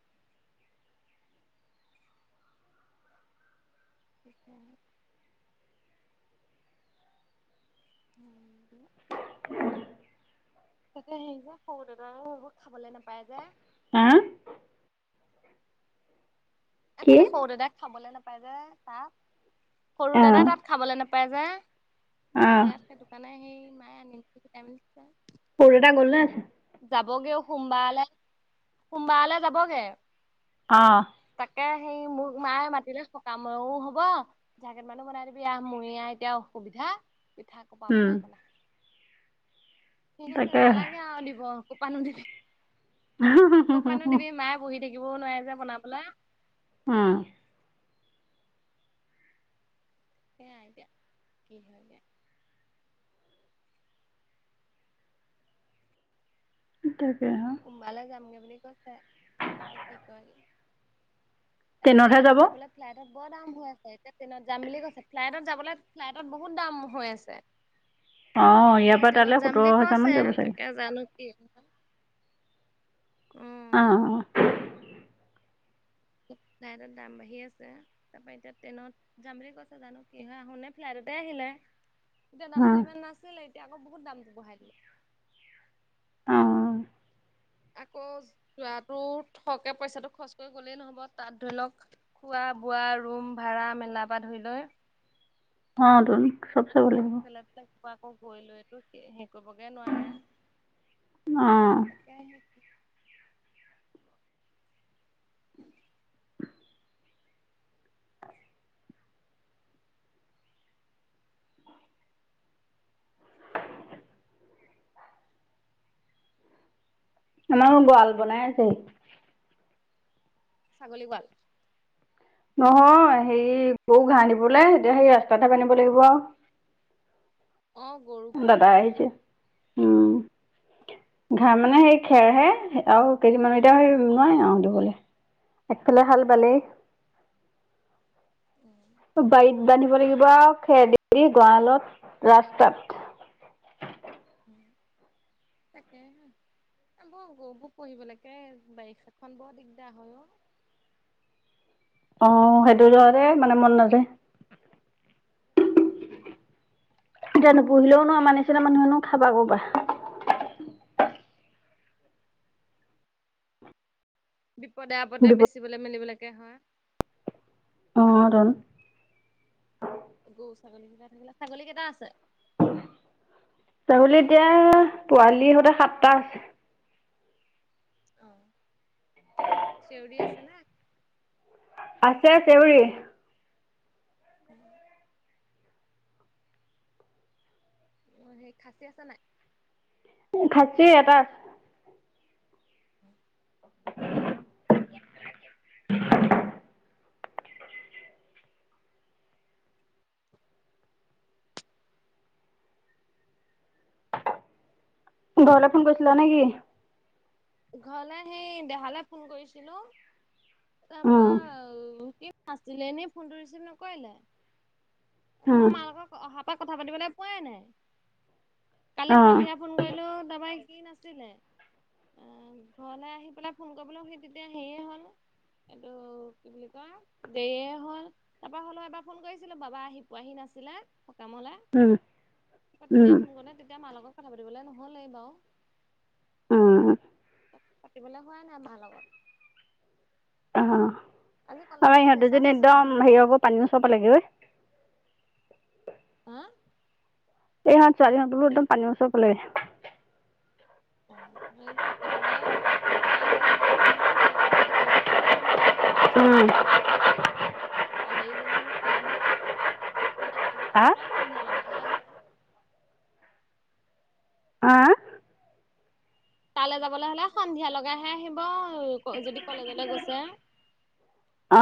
Speaker 2: শিকিন [unintelligible] তাকতে সে যে সৰু দাদাই খাবলৈ নাপায় যে
Speaker 1: হা
Speaker 2: এ
Speaker 1: কি?
Speaker 2: তাতে সৰু দাদাই খাবলৈ নাপায়। ত সৰু দাদা
Speaker 1: অ',
Speaker 2: তাত খাবলৈ নাপায় যে।
Speaker 1: অ',
Speaker 2: ইয়াত সেই দোকান সেই মায়ে আনি মেলি গোটাই মেলি দিছে আৰু
Speaker 1: সৰু দাদা গ'ল নে আছে
Speaker 2: যাবগে সোমবাৰলৈ সোমবাৰলৈ যাবগে।
Speaker 1: অঁ
Speaker 2: ত মায়ে মাতিলে সকামেও হব পিঠা কেইটা মানো বনাই দিবি আহ মই আহ এতিয়া অসুবিধা। পিঠা কপা
Speaker 1: উম,
Speaker 2: বনাই বনা। ঠিক আছে
Speaker 1: তাকেহে
Speaker 2: নালাগে আৰু দিব কোপা নো দিবি। ক পানো দিবি মায়ে বহি থাকিবও নোৱাৰে যে বনাবলে।
Speaker 1: আহ
Speaker 2: সেয়া এতিয়া কি হয় যে
Speaker 1: তাকে
Speaker 2: সোমবালৈ যামগে বুলি কৈছে তাকে কি কৰে।
Speaker 1: ট্ৰেইনতহে
Speaker 2: ফ্লাইটত
Speaker 1: যাব।
Speaker 2: যাবলৈ ফ্লাইটত বৰ দাম হৈ আছে এতিয়া ট্ৰেইনত যাম বুলি কৈছে ফ্লাইটত যাবলৈ ফ্লাইটত বহুত দাম হৈ আছে
Speaker 1: অঁ ইয়াৰ
Speaker 2: এতিয়া
Speaker 1: পৰা
Speaker 2: ট্ৰেইনত
Speaker 1: তালৈ
Speaker 2: যাম
Speaker 1: সোতৰ
Speaker 2: বুলি
Speaker 1: হাজাৰমান
Speaker 2: কৈছে
Speaker 1: যাব চাগে
Speaker 2: তাকে জানো কি। উম
Speaker 1: অঁ
Speaker 2: ফ্লাইত দাম বাঢ়ি আছে তাৰ পৰা এতিয়া ট্ৰেইনত যাম বুলি কৈছে জানো কি হয় আহোনে ফ্লাই ততে আহিলে এতিয়া
Speaker 1: অঁ
Speaker 2: দামটো ইমান নাছিলে এতিয়া আকৌ বহুত দামটো বঢ়াই দিলে
Speaker 1: অঁ
Speaker 2: আকৌ যোৱাতো হকে পইচাটো খৰচ কৰি গ'লেই নহব তাত ধৰি লওক খোৱা বোৱা ৰুম ভাড়া মেলা পা ধই লৈ
Speaker 1: অ তুন।
Speaker 2: চব ফালেই কিবা আকৌ গৈ লৈতো হেৰি কৰিবগে নোৱাৰে।
Speaker 1: অঁ
Speaker 2: [unintelligible] [inaudible]
Speaker 1: আমাৰো গঁৰাল বনাই আছে।
Speaker 2: ছাগলী গৱাল
Speaker 1: নহয় হেৰি গৰু ঘাঁহ দিবলৈ এতিয়া সেই ৰাস্তাতহে বান্ধিব লাগিব আও। [inaudible]
Speaker 2: অ', গৰুক
Speaker 1: এ
Speaker 2: ঘাঁহ
Speaker 1: দাদাই
Speaker 2: দিবলৈ
Speaker 1: আহিছে। ঘাই মানে সেই খেৰহে আৰু কেইদিমান এতিয়া হে নোৱাই আহ দিবলৈ। একফালে হাল বালেই
Speaker 2: উম,
Speaker 1: বাৰীত বান্ধিব লাগিব আৰু খেৰ দেৰি গঁড়ালত, ৰাস্তাত, [inaudible]
Speaker 2: তাকেই হে বৌ গৌবোৰ পুহিবলৈকে বাৰিষাখন বৰ দিগদাৰ হয় অ।
Speaker 1: আহ সেইটো জহদে মানে মন নাযায়।
Speaker 2: হম হম
Speaker 1: এতিয়া নুপোহিলেও নোৱাৰ মাৰ নিচিনা মানুহেনো খাবা কঁপা।
Speaker 2: বিপদে আপদে
Speaker 1: বিপদ
Speaker 2: বেচিবলৈ মেলিবলৈকে হয়
Speaker 1: অ টোন
Speaker 2: গৰু ছাগলী কেইটা আছে?
Speaker 1: ছাগলী এতিয়া পোৱালি সৈতে সাতটা আছে।
Speaker 2: আহ, চেউৰি আছে নে?
Speaker 1: আছে আছে চেওৰি
Speaker 2: উম অ সেই খাচী আছা নাই?
Speaker 1: খাছিএটা
Speaker 2: উম
Speaker 1: [inaudible] ঘৰলৈ ফোন কৰিছিলা নেকি?
Speaker 2: ঘৰলে সেই দেহালৈ ফোন কৰিছিলো তাৰপা
Speaker 1: অঁ
Speaker 2: কি আছিলে এনে ফোনটো ৰিচিভ নকৰিলে।
Speaker 1: অঁ
Speaker 2: মই মা লগত অহাৰ পৰা কথা পাতিবলৈ পোৱাই নাই কালি সন্ধিয়া ফোন কৰিলো টাপা সি নাছিলে। অ ঘৰলে আহি পেলাই ফোন কৰিবলৈ সেই তেতিয়া হেৰিয়ে হ'ল এইটো কি বুলি কয় দেৰিয়ে হল, তাৰ পৰা হলেও এবাৰ ফোন কৰিছিলো বাবা আহি পোৱাহি নাছিল। আছিল সকামলে,
Speaker 1: অঁ
Speaker 2: তেতিয়া ফোন কৰোঁতে তেতিয়া মাৰ লগত কথা পাতিবলে নহলে বাও। পাতিবলে হোৱা নাই মা লগত।
Speaker 1: অ
Speaker 2: আজি
Speaker 1: অ
Speaker 2: কলেজত
Speaker 1: ইহঁত
Speaker 2: ফেচাচ
Speaker 1: দুজনী
Speaker 2: আছিলে
Speaker 1: একদম
Speaker 2: সিহঁতৰ
Speaker 1: হেৰি আকৌ পানী ওচৰ পালে গে ঐ
Speaker 2: হাহ
Speaker 1: এই ছোৱালী হত পানি ওচৰত পালেগে
Speaker 2: অ সেই পাতিবলে হোৱাই নাই দেহাহঁতৰ কলেজত আজি ফ্ৰেছাৰ্ছ আছিলে যে শুনিছিল
Speaker 1: উম
Speaker 2: কালিয়ে গ'ল নে কিয়ে নে কালে
Speaker 1: হা
Speaker 2: পুৰা সন্ধিয়া লগাইহে আহিব
Speaker 1: আহ
Speaker 2: তালৈ যাবলৈ হলে সন্ধিয়া লগাইহে আহিব, যদি কলেজলৈ গৈছে?
Speaker 1: অ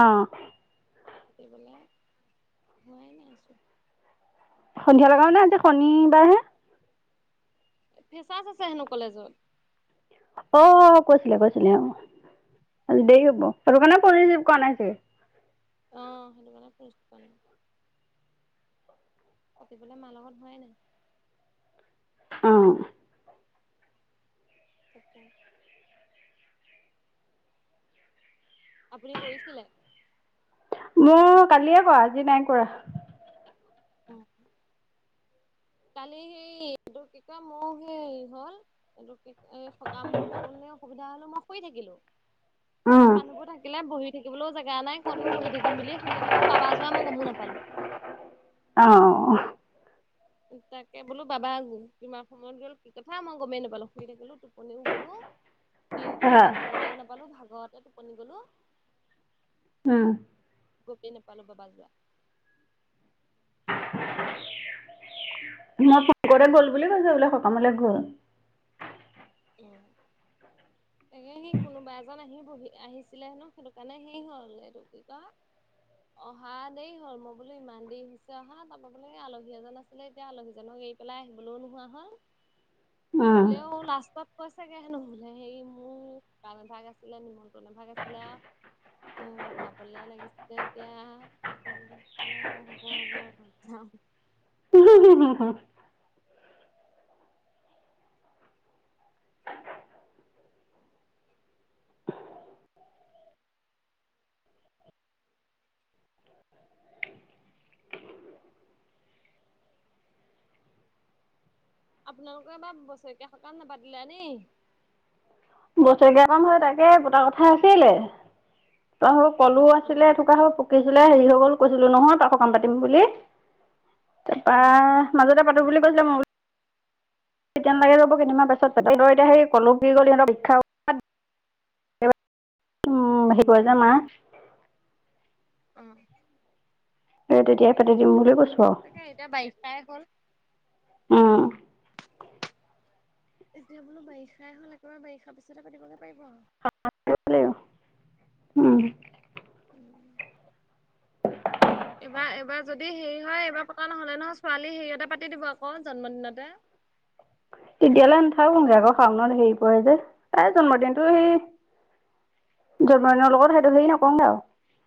Speaker 2: পাতিবলৈ হোৱাই নাই আছোঁ।
Speaker 1: সন্ধিয়া লগাও নে আজি শনিবাৰহে।
Speaker 2: ফ্ৰেচাছ আছে হেনো কলেজত।
Speaker 1: অ কৈছিলে কৈছিলে অ দেৰি হব আৰু সেইটো কাৰণে ফোন ৰিচিভ কৰা নাছিল
Speaker 2: আহ সেইটো কাৰণে পইচা নাই পাতিবলে মাৰ লগত হোৱাই নাই
Speaker 1: অ
Speaker 2: [inaudible] আপুনি কৰিছিলে?
Speaker 1: মোক কালিয়ে কোৱা আজি নাই কৰা
Speaker 2: উম কালি সেই এইটো কি কা মোৰ সেই হল, এইটো কি [unintelligible] এই কাম হৈ থাকো নে অসুবিধা হলো মই শুই থাকিলো [unintelligible]
Speaker 1: উম
Speaker 2: মানুহবোৰ থাকিলে বহি থাকিবলৈও জেগা নাই কতনো বহি থাকিম বুলি শুই থাকিলো, বাবা যোৱাই মই গমো নাপালো। [unintelligible]
Speaker 1: অ অ
Speaker 2: তাকে বোলো বাবা কিমান সময়ত গল, কি কথা মই গমেই নাপালো শুই থাকলো টোপনিও গ'লো। [unintelligible]
Speaker 1: [inaudible]
Speaker 2: দিনটো সি শুবলৈও নাপালো ভাগৰতে টোপনি গলো গমেই নাপালো বাবাক যোৱা [unintelligible]
Speaker 1: শংকতে গ'ল বুলি কৈছে বোলে সকামলৈ গ'ল।
Speaker 2: এ সি কোনোবা এজন আহি বহি আহিছিলে হে নো সেইটো কাৰণে হে হল এইটো কি কয় অহা দেই হ'ল, মই বোলো ইমান দেৰি হৈছে অহা তাপা বোলো আলহী এজন আছিলে, এতিয়া আলহীজনক পেলাই আহিবলৈও নোহোৱা হল,
Speaker 1: উম,
Speaker 2: হলেও লা কৈ চাগে হেনু হেৰি মোৰ কাম এভাগ আছিলে, নিমন্ত্ৰন এভাগ আছিলে আও। [unintelligible] উ যাবলে লাগিছিলে এতিয়া তাপা এ অ হ'ব হব। [unintelligible]
Speaker 1: উম হম হম হ [unintelligible]
Speaker 2: আপোনালোকৰ বা বছৰেকীয়া সকাম নাপাতিলা নি?
Speaker 1: বছৰেকীয়া সকাম হয় তাকে পটা কথা আছিলে ত [unintelligible] পলো
Speaker 2: অ
Speaker 1: আছিলে এ থকা হ'ল পকিছিলে হেৰি হৈ গ'ল কৈছিলো নহয় প সকাম পাতিম বুলি [unintelligible] তাৰপৰা
Speaker 2: উম
Speaker 1: মাজতে পাতো বুলি তিয়া লাগে যাব কেইনমান পাছত এতিয়া স কল গল সিহঁত [unintelligible] [unintelligible] [unintelligible] [unintelligible] [unintelligible] খাওঁ উম আহে পোৱা য মা [unintelligible]
Speaker 2: অহ
Speaker 1: এ তেতিয়াই পাতি দিম বুলি কৈছো।
Speaker 2: তাকে এতিয়া বাইশটাই হল
Speaker 1: আৰু উম,
Speaker 2: এতিয়া বোলো বাৰিষাই হল একেবাৰে বাৰিষাৰ পিছতে পাতিবগে পাৰিব আৰু
Speaker 1: উম
Speaker 2: উম
Speaker 1: [inaudible]
Speaker 2: এইবাৰ এইবাৰ যদি হেৰি হয় এইবাৰ পকা নহলে নহয় ছোৱালী হেৰিয়তে পাতি দিব আকৌ জন্মদিনতে [unintelligible]
Speaker 1: [inaudible] তেতিয়ালৈ নাথাকোগে আকৌ শাওনত হেৰি পৰে যে, তাই জন্মদিনটো সেই [unintelligible] জন্মদিনৰ লগত সেইটো লি নকওঁ আও। [unintelligible]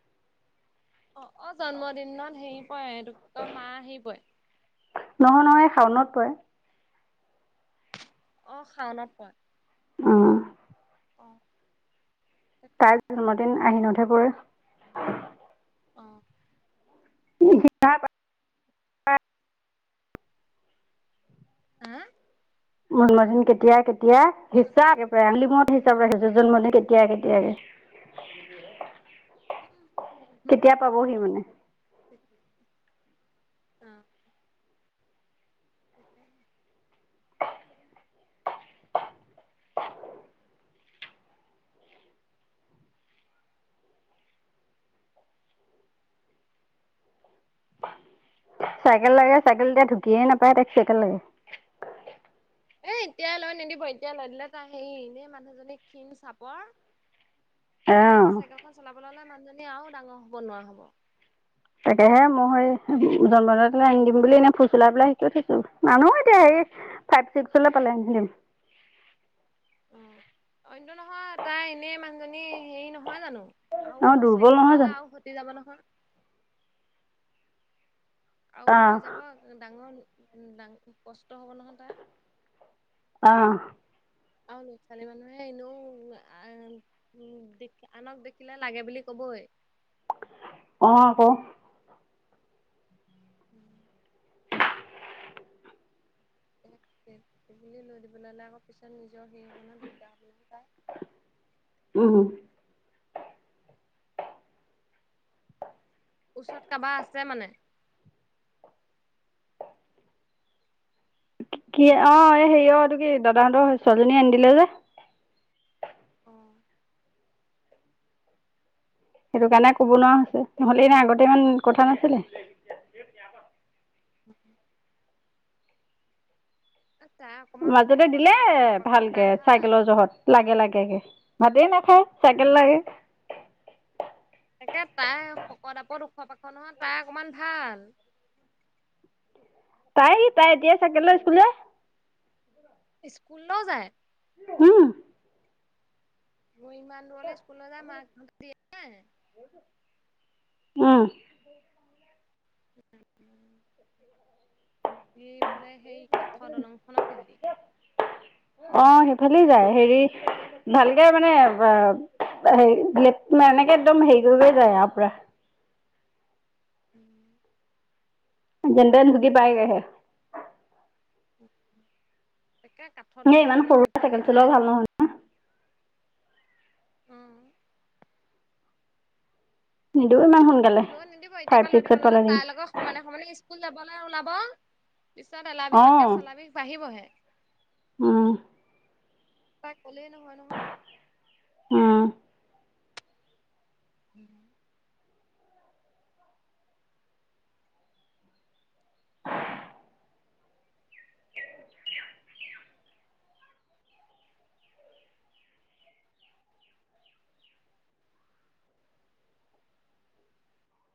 Speaker 2: অ অ জন্মদিনত হেৰি পৰে এইটো ক মা আহি পৰে
Speaker 1: নহয় নহয় এই শাওনত পৰে
Speaker 2: অ শাওনত পোৱা।
Speaker 1: অ
Speaker 2: [inaudible] তাকে।
Speaker 1: তাই জন্মদিন আহি নথে পৰে। [unintelligible]
Speaker 2: অ
Speaker 1: [unintelligible]
Speaker 2: আহ
Speaker 1: জন্মদিন কেতিয়া-কেতিয়া
Speaker 2: কৈছা?
Speaker 1: হিচাপ একেবাৰে আঙুলি মূৰত হিচাপ ৰাখিছে
Speaker 2: অ',
Speaker 1: জন্মদিন কেতিয়া। এয়া [inaudible] কেতিয়া পাবহি মানে
Speaker 2: অ', [unintelligible]
Speaker 1: চাইকেল লাগে চাইকেল এতিয়া ঢুকিয়ে নাপায় তাইক চাইকেল লাগে। [unintelligible]
Speaker 2: সেই এতিয়াই লৈ নিদিব এতিয়াই লৈ দিলে তাৰ হেৰি এনে মানুহজনী ক্ষীণ চাপৰ [unintelligible] এতিয়াৰ পৰা
Speaker 1: অঁ
Speaker 2: চাইকেলখন চলাবলৈ হ'লে মানুহজনী আৰু ডাঙৰ হব নোৱাৰা হব।
Speaker 1: তাকেহে মই স জন্মদিনতনে আনি দিম বুলি এনেই ফুচলাই পেলাই শিকি থৈছো মানুহ এতিয়া হেৰি ফাইভ চিক্সলে পালে ই দিম।
Speaker 2: অনটো নহয় তাই এনেই মানুহজনী হেৰি নহয় জানো?
Speaker 1: অঁ
Speaker 2: আৰু
Speaker 1: দুৰ্বল
Speaker 2: চাইকেল
Speaker 1: নহয়
Speaker 2: চলালে
Speaker 1: জানো
Speaker 2: আৰু ভতি যাব নহয়। আৰু সতে [unintelligible] যাব
Speaker 1: আহ
Speaker 2: ডাঙৰ ডাঙ কষ্ট হ'ব নহয় তাৰ
Speaker 1: আহ
Speaker 2: আৰু ল'ৰা-ছোৱালী মানুহে এনেও [unintelligible] আনক দেখিলে লাগে বুলি কব [inaudible] বৈ।
Speaker 1: অঁ আক
Speaker 2: উম। বুলি লৈ দিবলৈ হলে আকৌ পিছত নিজ নিজৰ সেই হ'ব নহয় দিগদাৰ হ'ব নহয়।
Speaker 1: উম
Speaker 2: ওচৰত কাবাৰ আছে মানে?
Speaker 1: কি অ এই হেৰি অ এইটো কি দাদাহঁতৰ ছোৱালীজনী আনি দিলে যে।
Speaker 2: অঁ
Speaker 1: সেইটো কাৰণে ক'ব নোৱাৰা হৈছে নহ'লে এনে আগতে ইমান কথা নাছিলে,
Speaker 2: উ [unintelligible] তাই অকমান
Speaker 1: মাজতে
Speaker 2: শকত
Speaker 1: দিলে
Speaker 2: আপত ওখ পাখ
Speaker 1: ভালকে
Speaker 2: তাই ভাল
Speaker 1: চাইকেলৰ জহত লাগে লাগে কে ভাতে নাখায়। চাইকেল লাগে
Speaker 2: তাকে তাই শকত আপদ [unintelligible] নহয় তাই অকমান ভাল [inaudible]
Speaker 1: তাই তাই এতিয়া চাইকেল লৈ স্কুল যায়।
Speaker 2: স্কুললৈও যায়?
Speaker 1: উম [unintelligible]
Speaker 2: ইমান দূৰলে স্কুল যাম মাক দিয়ে নাই?
Speaker 1: উম।
Speaker 2: দি পেলাই সেই কাঠৰ দলংখনৰ ফেলি।
Speaker 1: অঁ সেইফালেই যায়, হেৰি ভালকে মানে বা তা হেৰি লেপমে, এনেকে একদম হেৰি কৰি কৰি যায় আও পুৰা।
Speaker 2: উম
Speaker 1: যেনতেন ধুকি পাই গে হে [unintelligible]
Speaker 2: তে কাঠৰ
Speaker 1: এ ইমান
Speaker 2: দলংখনক
Speaker 1: সৰু
Speaker 2: সেই
Speaker 1: চাইকেল
Speaker 2: ফালেদি
Speaker 1: চলোৱা
Speaker 2: যায়
Speaker 1: ভাল নহয়
Speaker 2: ওঁ
Speaker 1: নিদিওঁ ইমান সোনকালে
Speaker 2: লৈ নিদিব এতিয়াৰ
Speaker 1: ফাইভ
Speaker 2: পৰা লৈ দিব
Speaker 1: ছিক্সত
Speaker 2: ললে
Speaker 1: পালে দিম
Speaker 2: তাইৰ লগত সমানে সমানে স্কুল যাবলৈ ওলাব পিছত এলাহ বিষতকে চলা বিষ বাঢ়িবহে [unintelligible]
Speaker 1: উম
Speaker 2: তাক কলেই নহয়-নহয় [unintelligible]
Speaker 1: অঁ
Speaker 2: উম